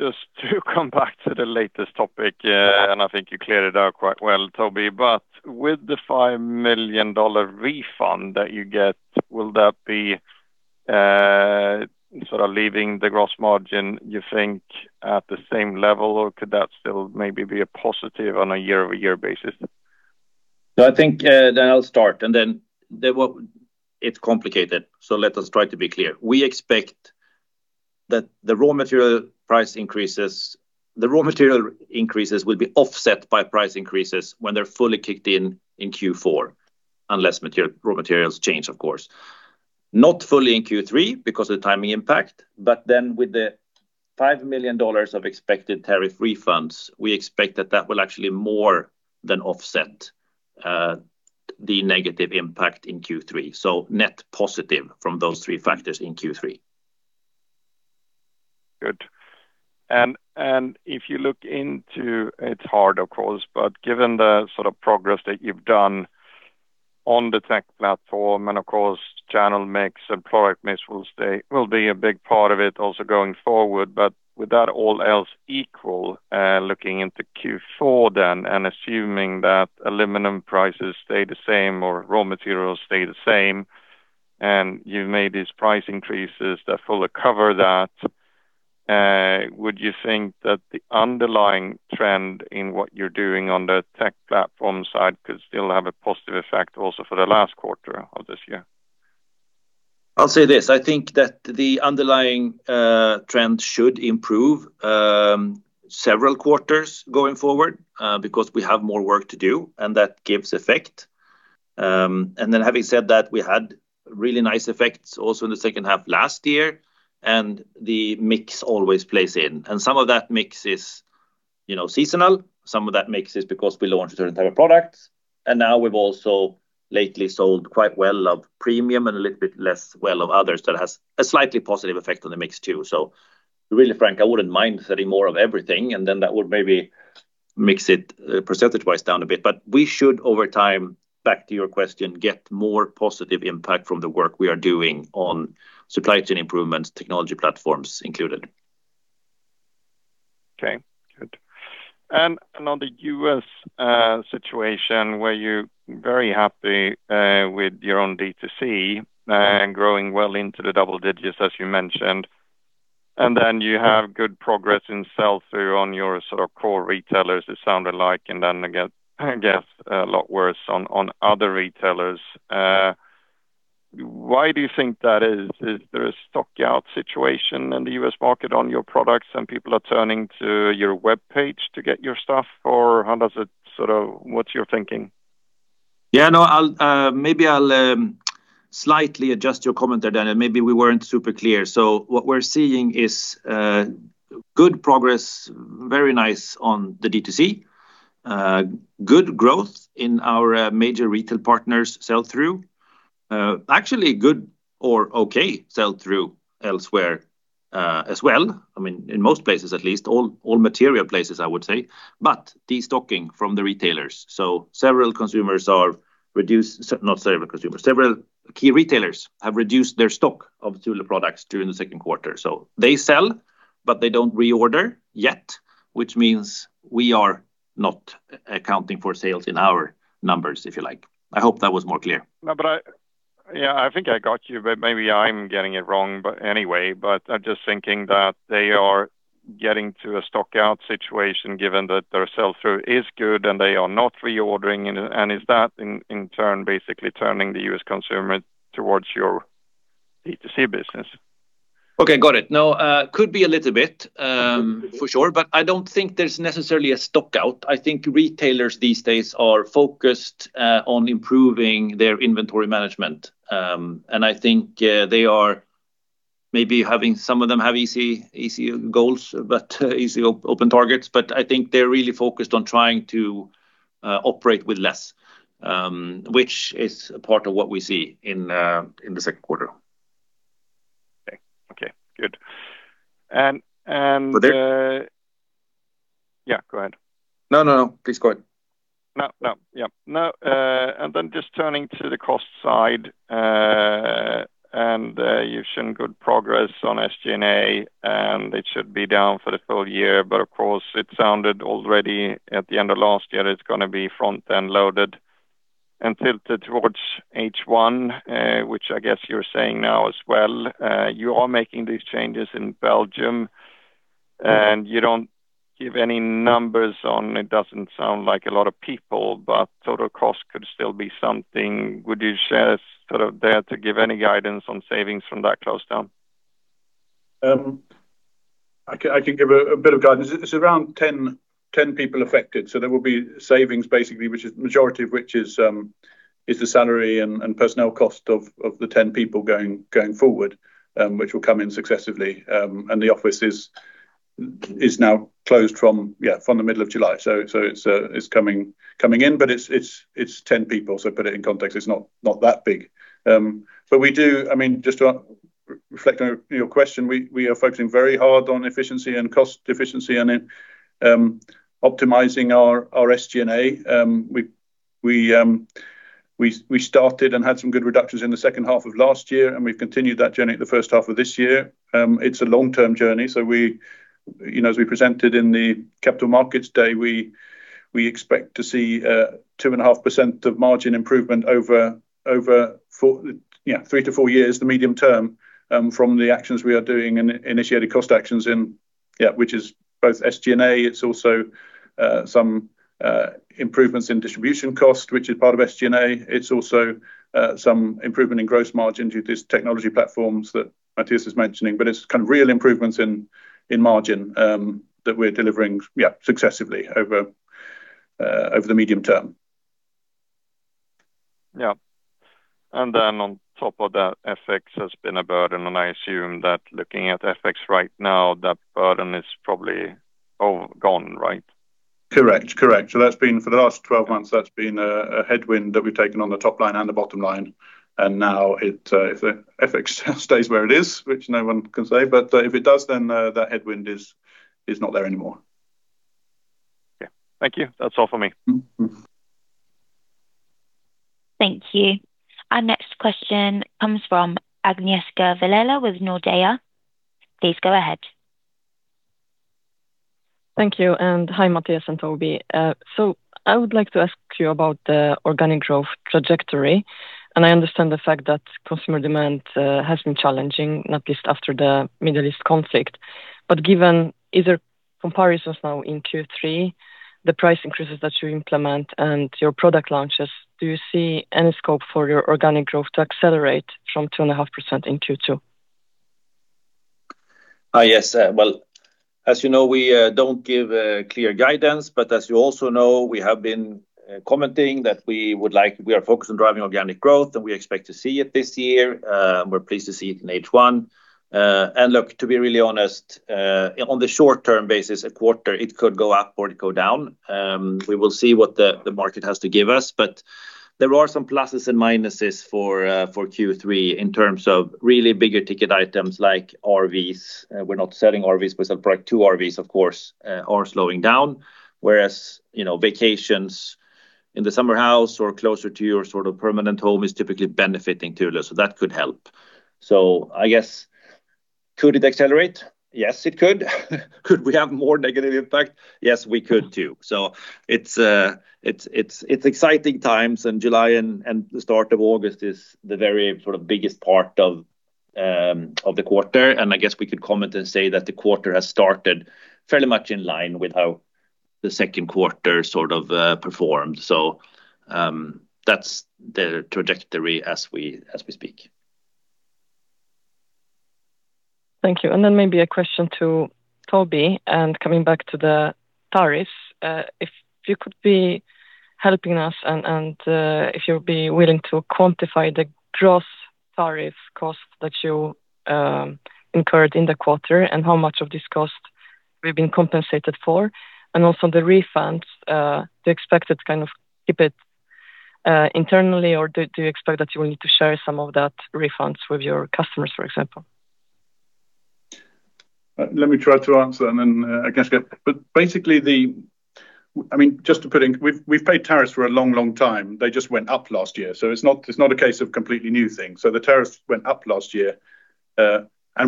Just to come back to the latest topic, I think you cleared it up quite well, Toby, with the $5 million refund that you get, will that be leaving the gross margin, you think, at the same level, or could that still maybe be a positive on a year-over-year basis? I think, Daniel, I'll start. It's complicated, let us try to be clear. We expect that the raw material increases will be offset by price increases when they're fully kicked in in Q4, unless raw materials change, of course. Not fully in Q3 because of the timing impact, with the $5 million of expected tariff refunds, we expect that that will actually more than offset the negative impact in Q3. Net positive from those three factors in Q3. Good. If you look into, it's hard, of course, given the sort of progress that you've done on the tech platform, of course, channel mix and product mix will be a big part of it also going forward, with that all else equal, looking into Q4 then, assuming that aluminum prices stay the same or raw materials stay the same, you've made these price increases that fully cover that, would you think that the underlying trend in what you're doing on the tech platform side could still have a positive effect also for the last quarter of this year? I'll say this. I think that the underlying trend should improve several quarters going forward because we have more work to do, and that gives effect. Having said that, we had really nice effects also in the second half last year, and the mix always plays in. Some of that mix is seasonal, some of that mix is because we launched a certain type of product. Now we've also lately sold quite well of premium and a little bit less well of others. That has a slightly positive effect on the mix, too. Really, Frank, I wouldn't mind selling more of everything, and then that would maybe mix it percentage-wise down a bit. But we should, over time, back to your question, get more positive impact from the work we are doing on supply chain improvements, technology platforms included. Okay, good. On the U.S. situation where you're very happy with your own D2C and growing well into the double digits, as you mentioned. Then you have good progress in sell-through on your core retailers, it sounded like, and then it gets a lot worse on other retailers. Why do you think that is? Is there a stock-out situation in the U.S. market on your products and people are turning to your webpage to get your stuff, or what's your thinking? Maybe I'll slightly adjust your comment there, Daniel. Maybe we weren't super clear. What we're seeing is good progress, very nice on the D2C. Good growth in our major retail partners sell-through. Actually good or okay sell-through elsewhere as well. In most places, at least. All material places, I would say. De-stocking from the retailers. Several key retailers have reduced their stock of Thule products during the second quarter. They sell, but they don't reorder yet, which means we are not accounting for sales in our numbers, if you like. I hope that was more clear. No, I think I got you, but maybe I'm getting it wrong. Anyway, I'm just thinking that they are getting to a stock-out situation, given that their sell-through is good and they are not reordering. Is that in turn basically turning the U.S. consumer towards your D2C business? Okay, got it. No, could be a little bit, for sure, but I don't think there's necessarily a stock-out. I think retailers these days are focused on improving their inventory management. I think some of them have easy goals, easy open targets, but I think they're really focused on trying to operate with less, which is a part of what we see in the second quarter. Okay, good. Daniel? Yeah, go ahead. No, please go ahead. No. Just turning to the cost side, you've shown good progress on SG&A, it should be down for the full year, but of course, it sounded already at the end of last year, it's going to be front-end loaded and tilted towards H1, which I guess you're saying now as well. You are making these changes in Belgium, you don't give any numbers on, it doesn't sound like a lot of people, but total cost could still be something. Would you share sort of there to give any guidance on savings from that close down? I could give a bit of guidance. It's around 10 people affected. There will be savings basically, majority of which is the salary and personnel cost of the 10 people going forward, which will come in successively. The office is now closed from the middle of July. It's coming in, but it's 10 people, so put it in context. It's not that big. Just to reflect on your question, we are focusing very hard on efficiency and cost efficiency and in optimizing our SG&A. We started and had some good reductions in the second half of last year, and we've continued that journey at the first half of this year. It's a long-term journey. As we presented in the Capital Markets Day, we expect to see 2.5% of margin improvement over three to four years, the medium term, from the actions we are doing and initiating cost actions in which is both SG&A. It's also some improvements in distribution cost, which is part of SG&A. It's also some improvement in gross margin due to these technology platforms that Mattias is mentioning. It's kind of real improvements in margin that we're delivering successively over the medium term. Yeah. On top of that, FX has been a burden, I assume that looking at FX right now, that burden is probably all gone, right? Correct. For the last 12 months, that's been a headwind that we've taken on the top line and the bottom line. Now if the FX stays where it is, which no one can say, if it does, that headwind is not there anymore. Okay. Thank you. That's all for me. Thank you. Our next question comes from Agnieszka Vilela with Nordea. Please go ahead. Thank you. Hi, Mattias and Toby. I would like to ask you about the organic growth trajectory. I understand the fact that customer demand has been challenging, not least after the Middle East conflict. Given easier comparisons now in Q3, the price increases that you implement and your product launches, do you see any scope for your organic growth to accelerate from 2.5% in Q2? Yes. Well, as you know, we don't give clear guidance. As you also know, we have been commenting that we are focused on driving organic growth, and we expect to see it this year. We're pleased to see it in H1. Look, to be really honest, on the short-term basis, a quarter, it could go up or it could go down. We will see what the market has to give us. There are some pluses and minuses for Q3 in terms of really bigger ticket items like RVs. We're not selling RVs, but products to RVs, of course, are slowing down. Whereas vacations in the summer house or closer to your permanent home is typically benefiting Thule. That could help. I guess, could it accelerate? Yes, it could. Could we have more negative impact? Yes, we could too. It's exciting times. July and the start of August is the very biggest part of the quarter. I guess we could comment and say that the quarter has started fairly much in line with how the second quarter performed. That's the trajectory as we speak. Thank you. Maybe a question to Toby, coming back to the tariffs. If you could be helping us and if you'll be willing to quantify the gross tariff cost that you incurred in the quarter and how much of this cost we've been compensated for, and also the refunds, do you expect to kind of keep it internally, or do you expect that you will need to share some of that refunds with your customers, for example? Let me try to answer. I guess. We've paid tariffs for a long time. They just went up last year. It's not a case of completely new thing. The tariffs went up last year.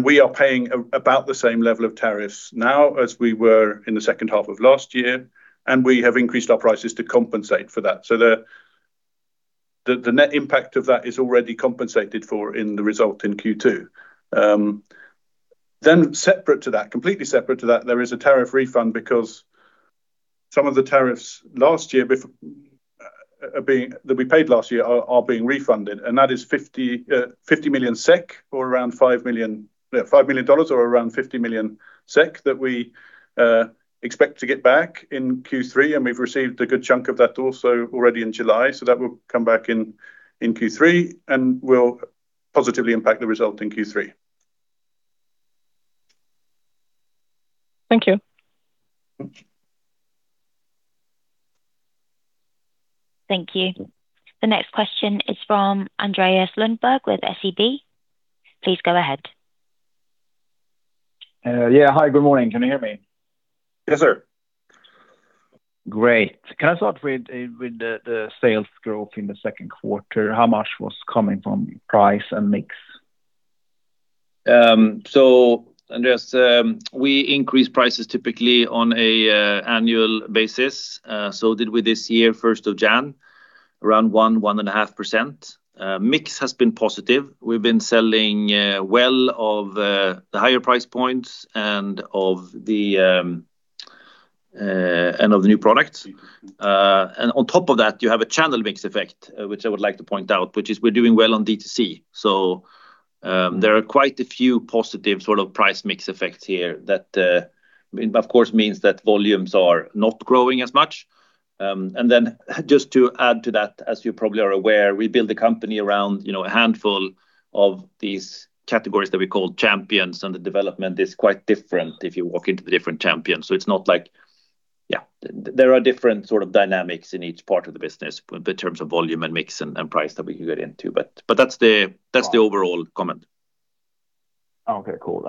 We are paying about the same level of tariffs now as we were in the second half of last year, and we have increased our prices to compensate for that. The net impact of that is already compensated for in the result in Q2. Separate to that, completely separate to that, there is a tariff refund because some of the tariffs that we paid last year are being refunded. That is 50 million SEK, or around $5 million, or around 50 million SEK that we expect to get back in Q3, and we've received a good chunk of that also already in July. That will come back in Q3 and will positively impact the result in Q3. Thank you. Thank you. Thank you. The next question is from Andreas Lundberg with SEB. Please go ahead. Yeah. Hi, good morning. Can you hear me? Yes, sir. Great. Can I start with the sales growth in the second quarter? How much was coming from price and mix? Andreas, we increase prices typically on an annual basis. Did we this year, 1st of January, around 1%, 1.5%. Mix has been positive. We've been selling well of the higher price points and of the new products. On top of that, you have a channel mix effect, which I would like to point out, which is we're doing well on D2C. There are quite a few positive price mix effects here that, of course, means that volumes are not growing as much. Just to add to that, as you probably are aware, we build the company around a handful of these categories that we call Champions, and the development is quite different if you walk into the different Champions. There are different sort of dynamics in each part of the business in terms of volume and mix and price that we could get into, but that's the overall comment. Okay, cool.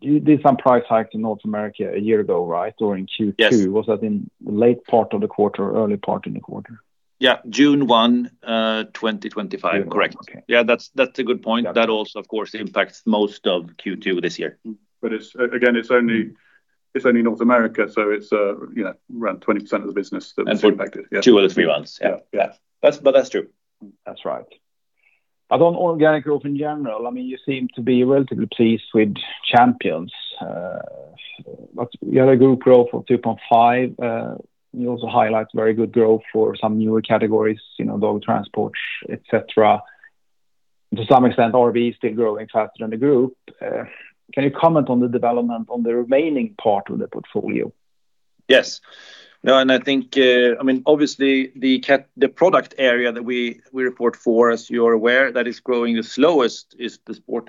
You did some price hike in North America one year ago, right? Or in Q2? Yes. Was that in the late part of the quarter or early part in the quarter? Yeah, June 1, 2025. June 1. Correct. Okay. Yeah, that's a good point. Yeah. That also, of course, impacts most of Q2 this year. Again, it's only North America, so it's around 20% of the business that's impacted. Yeah. Two or three months. Yeah. Yeah. That's true. That's right. On organic growth in general, you seem to be relatively pleased with Champions. You had a group growth of 2.5%. You also highlight very good growth for some newer categories, dog transport, et cetera. To some extent, RV is still growing faster than the group. Can you comment on the development on the remaining part of the portfolio? Yes. Obviously, the product area that we report for, as you're aware, that is growing the slowest is the Sport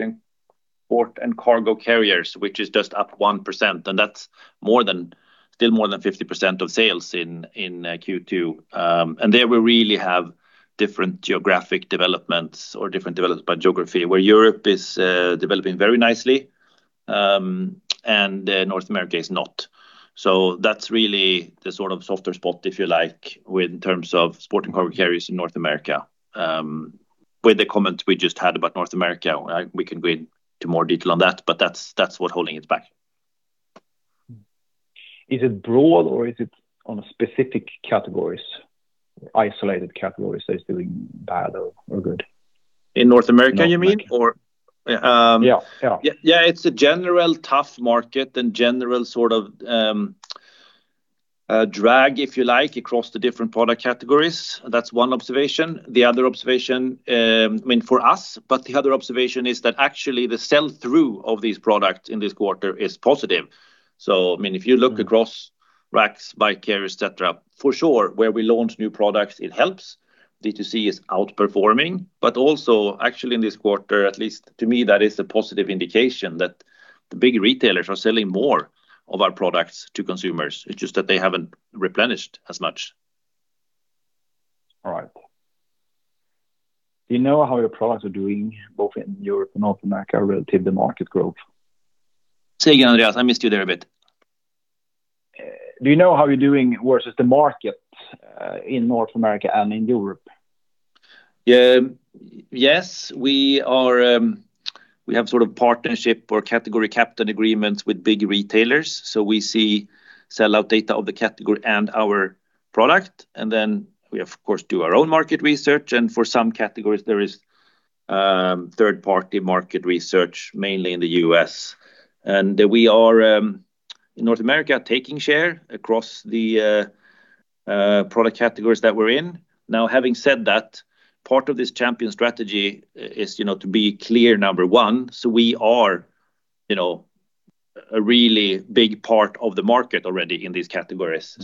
& Cargo Carriers, which is just up 1%, and that's still more than 50% of sales in Q2. There we really have different geographic developments or different developments by geography, where Europe is developing very nicely, and North America is not. That's really the sort of softer spot, if you like, in terms of Sport & Cargo Carriers in North America. With the comment we just had about North America, we can go into more detail on that, but that's what's holding it back. Is it broad or is it on a specific categories, isolated categories that is doing bad or good? In North America, you mean? North America. Yeah. Yeah, it's a general tough market and general sort of drag, if you like, across the different product categories. That's one observation. The other observation, for us, is that actually the sell-through of these products in this quarter is positive. If you look across racks, bike carriers, et cetera. For sure, where we launch new products, it helps. D2C is outperforming, but also actually in this quarter at least to me, that is a positive indication that the big retailers are selling more of our products to consumers. It's just that they haven't replenished as much. All right. Do you know how your products are doing both in Europe and North America relative to market growth? Say again, Andreas, I missed you there a bit. Do you know how you're doing versus the market in North America and in Europe? Yes. We have sort of partnership or category captain agreements with big retailers. We see sellout data of the category and our product, then we of course, do our own market research, and for some categories, there is third party market research, mainly in the U.S. We are, in North America, taking share across the product categories that we're in. Now, having said that, part of this Champion strategy is to be clear number one. We are a really big part of the market already in these categories.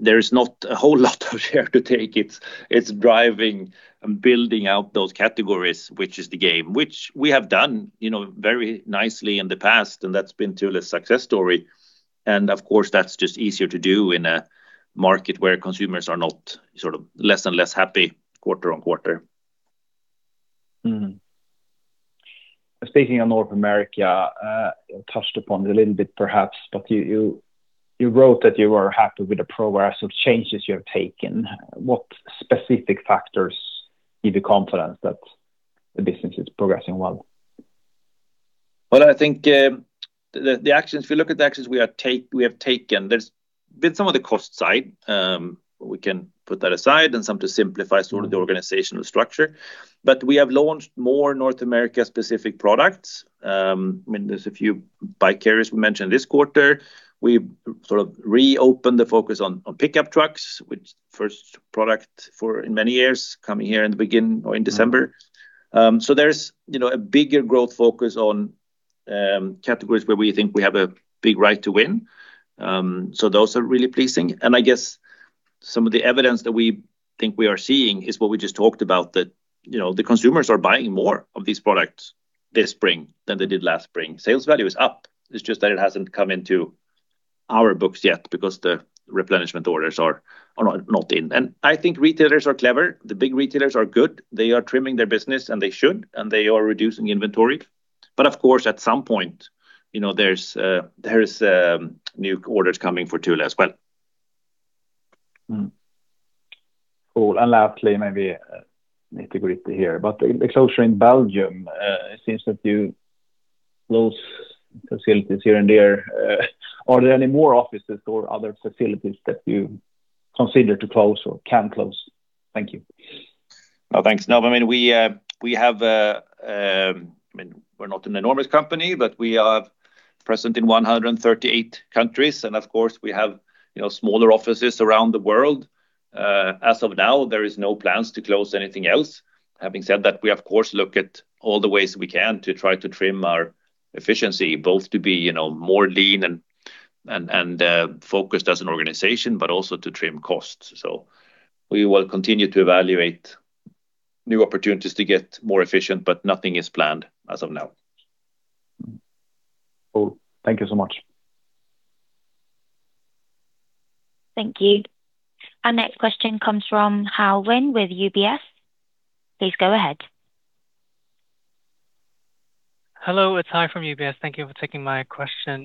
There is not a whole lot of share to take. It's driving and building out those categories, which is the game. Which we have done very nicely in the past, and that's been Thule's success story. Of course, that's just easier to do in a market where consumers are less and less happy quarter-on-quarter. Speaking of North America, you touched upon it a little bit perhaps. You wrote that you were happy with the progress of changes you have taken. What specific factors give you confidence that the business is progressing well? If you look at the actions we have taken, there's some on the cost side. We can put that aside and some to simplify sort of the organizational structure. We have launched more North America specific products. There's a few bike carriers we mentioned this quarter. We sort of reopened the focus on pickup trucks, which first product for in many years coming here in December. There's a bigger growth focus on categories where we think we have a big right to win. Those are really pleasing. I guess some of the evidence that we think we are seeing is what we just talked about, that the consumers are buying more of these products this spring than they did last spring. Sales value is up. It's just that it hasn't come into our books yet because the replenishment orders are not in. I think retailers are clever. The big retailers are good. They are trimming their business, and they should, and they are reducing inventory. Of course, at some point there's new orders coming for Thule as well. Cool. Lastly, maybe a little gritty here, the closure in Belgium, it seems that you close facilities here and there. Are there any more offices or other facilities that you consider to close or can close? Thank you. No, thanks. We're not an enormous company, we are present in 138 countries, of course we have smaller offices around the world. As of now, there is no plans to close anything else. Having said that, we of course look at all the ways we can to try to trim our efficiency, both to be more lean and focused as an organization, also to trim costs. We will continue to evaluate new opportunities to get more efficient, nothing is planned as of now. Cool. Thank you so much. Thank you. Our next question comes from Hai Huynh with UBS. Please go ahead. Hello, it's Hai from UBS. Thank you for taking my question.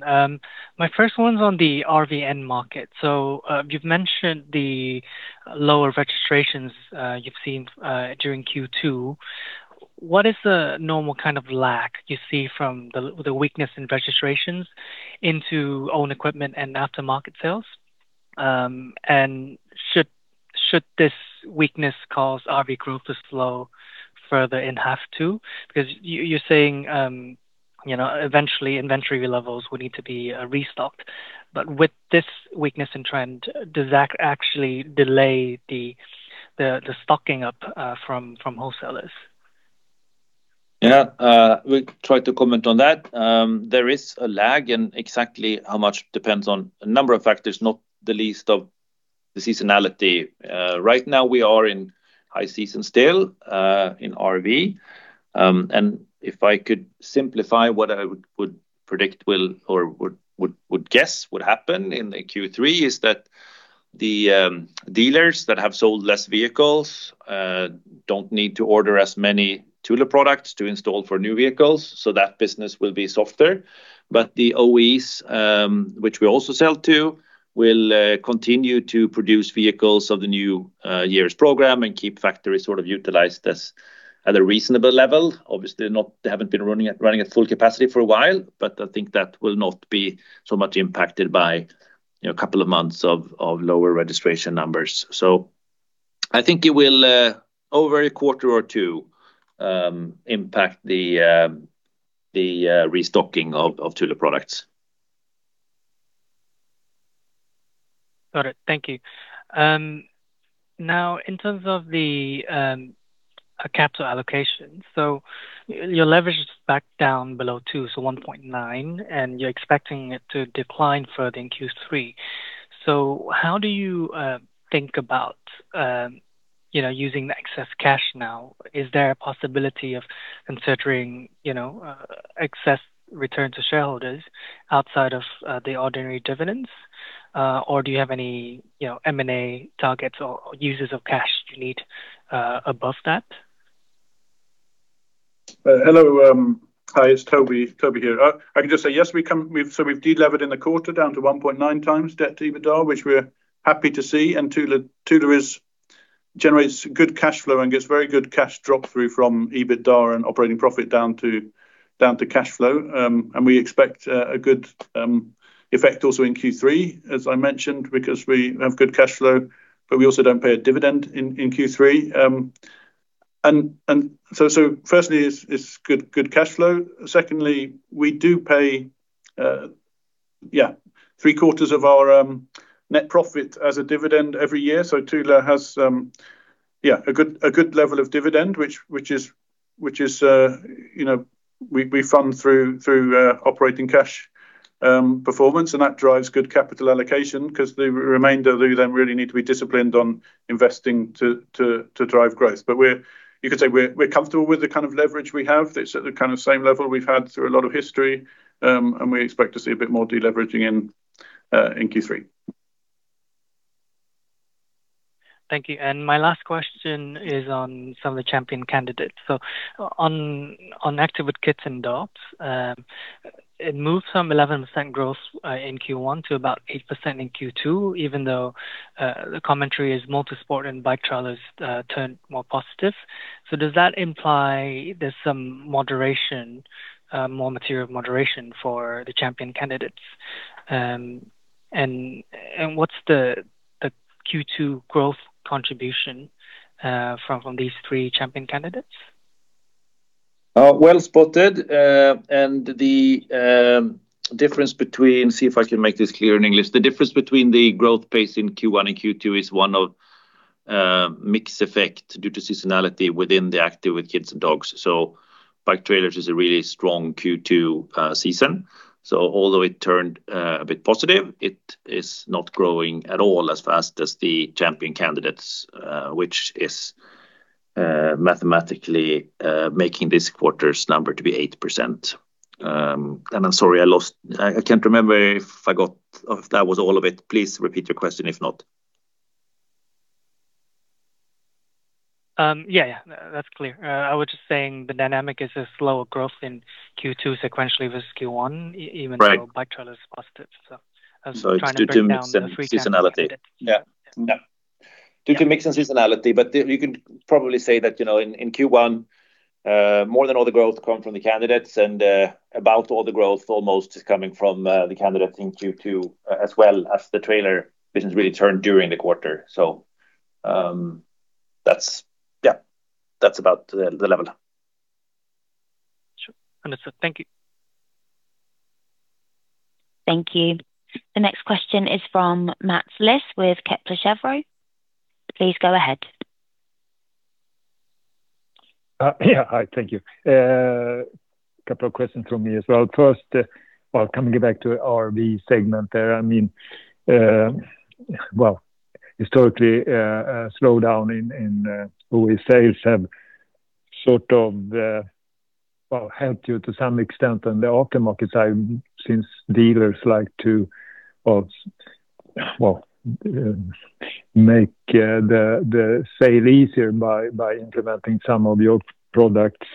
My first one's on the RV market. You've mentioned the lower registrations you've seen during Q2. What is the normal kind of lag you see from the weakness in registrations into own equipment and aftermarket sales? Should this weakness cause RV growth to slow further in half two? You're saying eventually inventory levels would need to be restocked. With this weakness in trend, does that actually delay the stocking up from wholesalers? Yeah. We tried to comment on that. There is a lag, and exactly how much depends on a number of factors, not the least of the seasonality. Right now we are in high season still, in RV. If I could simplify what I would predict will or would guess would happen in the Q3 is that the dealers that have sold less vehicles don't need to order as many Thule products to install for new vehicles. That business will be softer. The OEs, which we also sell to, will continue to produce vehicles of the new year's program and keep factories sort of utilized at a reasonable level. Obviously, they haven't been running at full capacity for a while, but I think that will not be so much impacted by a couple of months of lower registration numbers. I think it will, over a quarter or two, impact the restocking of Thule products. Got it. Thank you. Now, in terms of the capital allocation, your leverage is back down below two, so 1.9, and you're expecting it to decline further in Q3. How do you think about using the excess cash now? Is there a possibility of considering excess return to shareholders outside of the ordinary dividends? Do you have any M&A targets or uses of cash you need above that? Hello. Hi, it's Toby. Toby here. I can just say yes, we've de-levered in the quarter down to 1.9x debt to EBITDA, which we're happy to see. Thule generates good cash flow and gets very good cash drop through from EBITDA and operating profit down to cash flow. We expect a good effect also in Q3, as I mentioned, because we have good cash flow, but we also don't pay a dividend in Q3. Firstly, it's good cash flow. Secondly, we do pay three quarters of our net profit as a dividend every year. Thule has a good level of dividend, which we fund through operating cash performance, and that drives good capital allocation because the remainder you then really need to be disciplined on investing to drive growth. You could say we're comfortable with the kind of leverage we have. It's at the same level we've had through a lot of history, we expect to see a bit more de-leveraging in Q3. Thank you. My last question is on some of the Champion candidates. On Active with Kids & Dogs, it moved from 11% growth in Q1 to about 8% in Q2, even though the commentary is multi-sport and bike trailers turned more positive. Does that imply there's some moderation, more material moderation for the Champion candidates? What's the Q2 growth contribution from these three Champion candidates? Well spotted. The difference between, see if I can make this clear in English, the difference between the growth pace in Q1 and Q2 is one of mix effect due to seasonality within the Active with Kids & Dogs. Bike trailers is a really strong Q2 season. Although it turned a bit positive, it is not growing at all as fast as the Champion candidates, which is mathematically making this quarter's number to be 8%. I'm sorry, I can't remember if that was all of it. Please repeat your question, if not. Yeah. That's clear. I was just saying the dynamic is a slower growth in Q2 sequentially versus Q1 even- Right Though bike trailer is positive. I'm trying to break down the three candidates. Yeah. No. Due to mix and seasonality, you could probably say that in Q1, more than all the growth come from the candidates and about all the growth almost is coming from the candidate in Q2, as well as the trailer business really turned during the quarter. That's about the level. Sure. Understood. Thank you. Thank you. The next question is from Mats Liss with Kepler Cheuvreux. Please go ahead. Yeah. Hi, thank you. A couple of questions from me as well. First, well, coming back to RV segment there, historically, a slowdown in OE sales have sort of helped you to some extent on the aftermarket side since dealers like to make the sale easier by implementing some of your products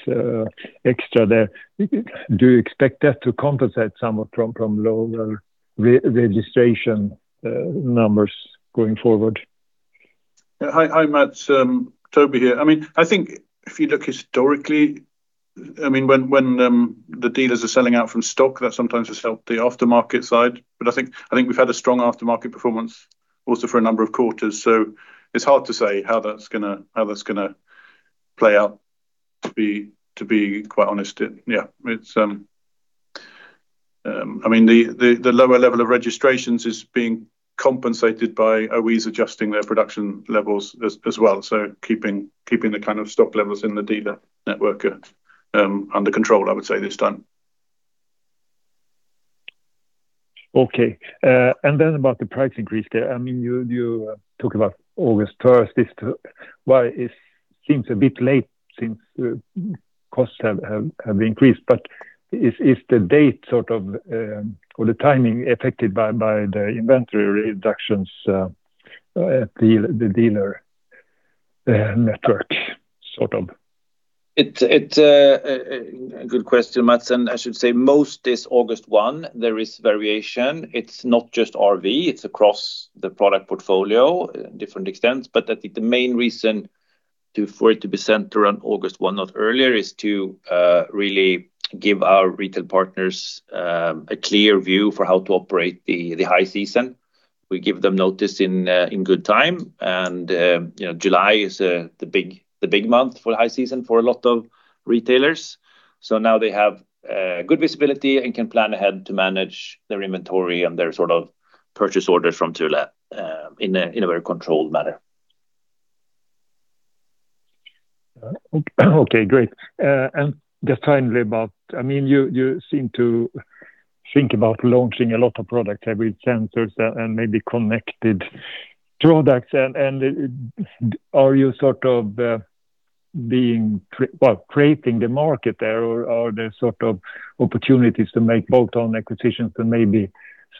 extra there. Do you expect that to compensate somewhat from lower registration numbers going forward? Hi, Mats. Toby here. I think if you look historically, when the dealers are selling out from stock, that sometimes has helped the aftermarket side. I think we've had a strong aftermarket performance also for a number of quarters. It's hard to say how that's going to play out, to be quite honest. The lower level of registrations is being compensated by OEs adjusting their production levels as well. Keeping the kind of stock levels in the dealer network under control, I would say this time. Okay. About the price increase there. You talk about August 1st. Why it seems a bit late since costs have increased, is the date sort of, or the timing affected by the inventory reductions at the dealer network? Good question, Mats, I should say most is August 1. There is variation. It's not just RV, it's across the product portfolio, different extents. I think the main reason for it to be centered around August 1, not earlier, is to really give our retail partners a clear view for how to operate the high season. We give them notice in good time. July is the big month for high season for a lot of retailers. Now they have good visibility and can plan ahead to manage their inventory and their purchase orders from Thule in a very controlled manner. Okay, great. Just finally, you seem to think about launching a lot of products with sensors and maybe connected products. Are you creating the market there or are there opportunities to make bolt-on acquisitions to maybe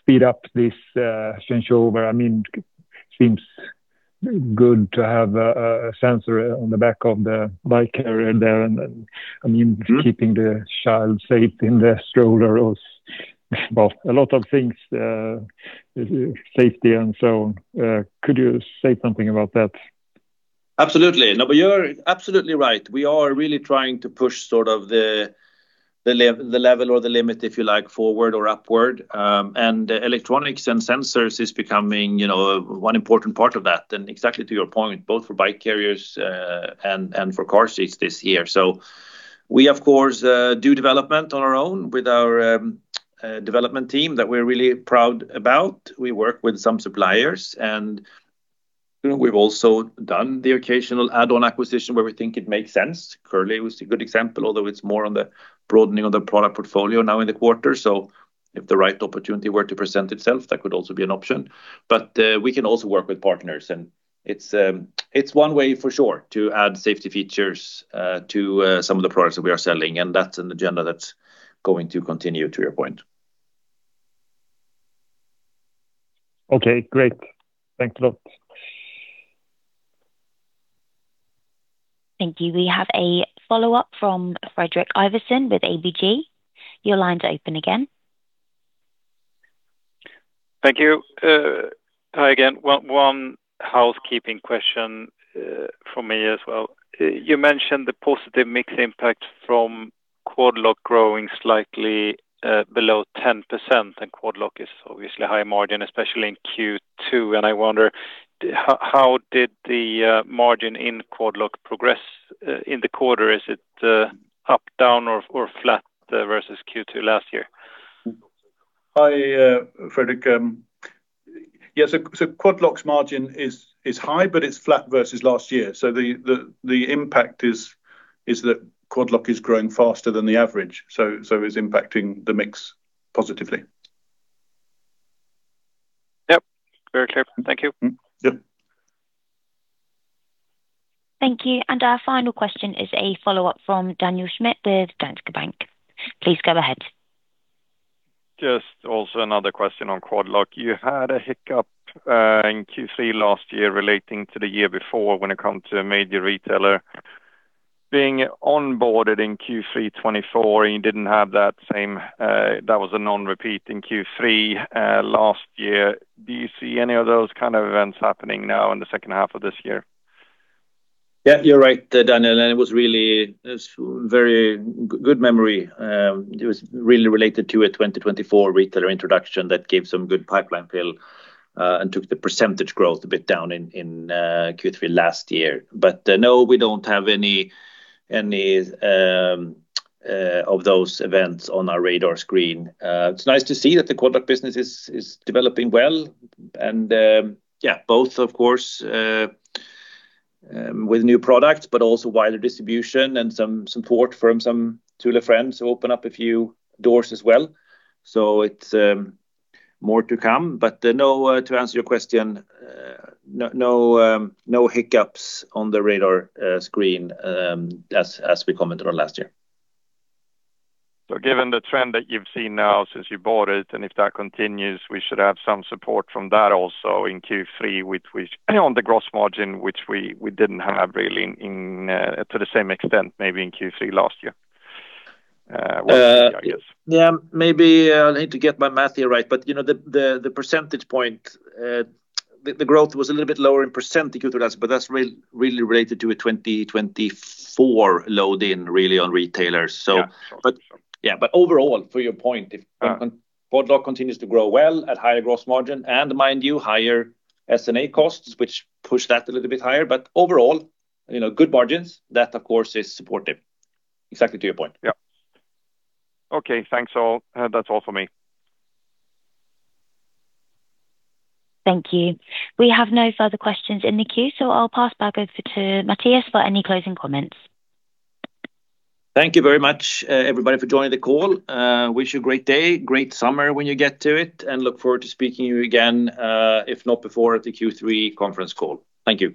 speed up this changeover? It seems good to have a sensor on the back of the bike carrier there, keeping the child safe in the stroller, or a lot of things, safety and so on. Could you say something about that? Absolutely. You're absolutely right. We are really trying to push the level or the limit, if you like, forward or upward. Electronics and sensors is becoming one important part of that. Exactly to your point, both for bike carriers and for car seats this year. We, of course, do development on our own with our development team that we're really proud about. We work with some suppliers, we've also done the occasional add-on acquisition where we think it makes sense. Curli was a good example, although it's more on the broadening of the product portfolio now in the quarter. If the right opportunity were to present itself, that could also be an option. We can also work with partners, it's one way for sure to add safety features to some of the products that we are selling, that's an agenda that's going to continue to your point. Okay, great. Thanks a lot. Thank you. We have a follow-up from Fredrik Ivarsson with ABG. Your line's open again. Thank you. Hi again. One housekeeping question from me as well. You mentioned the positive mix impact from Quad Lock growing slightly below 10%, and Quad Lock is obviously high margin, especially in Q2. I wonder, how did the margin in Quad Lock progress in the quarter? Is it up, down, or flat versus Q2 last year? Hi, Fredrik. Quad Lock's margin is high, but it's flat versus last year. The impact is that Quad Lock is growing faster than the average, it's impacting the mix positively. Yep, very clear. Thank you. Yep. Thank you. Our final question is a follow-up from Daniel Schmidt with Danske Bank. Please go ahead. Just also another question on Quad Lock. You had a hiccup in Q3 last year relating to the year before when it comes to a major retailer being onboarded in Q3 2024. That was a non-repeat in Q3 last year. Do you see any of those kind of events happening now in the second half of this year? Yeah, you're right, Daniel. It's very good memory. It was really related to a 2024 retailer introduction that gave some good pipeline fill and took the percentage growth a bit down in Q3 last year. No, we don't have any of those events on our radar screen. It's nice to see that the Quad Lock business is developing well. Yeah, both of course, with new products, but also wider distribution and some support from some Thule friends who open up a few doors as well. It's more to come. No, to answer your question, no hiccups on the radar screen, as we commented on last year. Given the trend that you've seen now since you bought it, and if that continues, we should have some support from that also in Q3 with which on the gross margin, which we didn't have really to the same extent maybe in Q3 last year. Maybe I'll need to get my math here right, the percentage point, the growth was a little bit lower in percentage due to last, that's really related to a 2024 load in really on retailers. Yeah, sure. Overall, for your point, if Quad Lock continues to grow well at higher gross margin and mind you, higher SG&A costs, which push that a little bit higher. Overall, good margins, that of course is supportive. Exactly to your point. Yeah. Okay, thanks all. That is all for me. Thank you. We have no further questions in the queue. I will pass back over to Mattias for any closing comments. Thank you very much, everybody, for joining the call. Wish you a great day, great summer when you get to it. Look forward to speaking to you again, if not before the Q3 conference call. Thank you.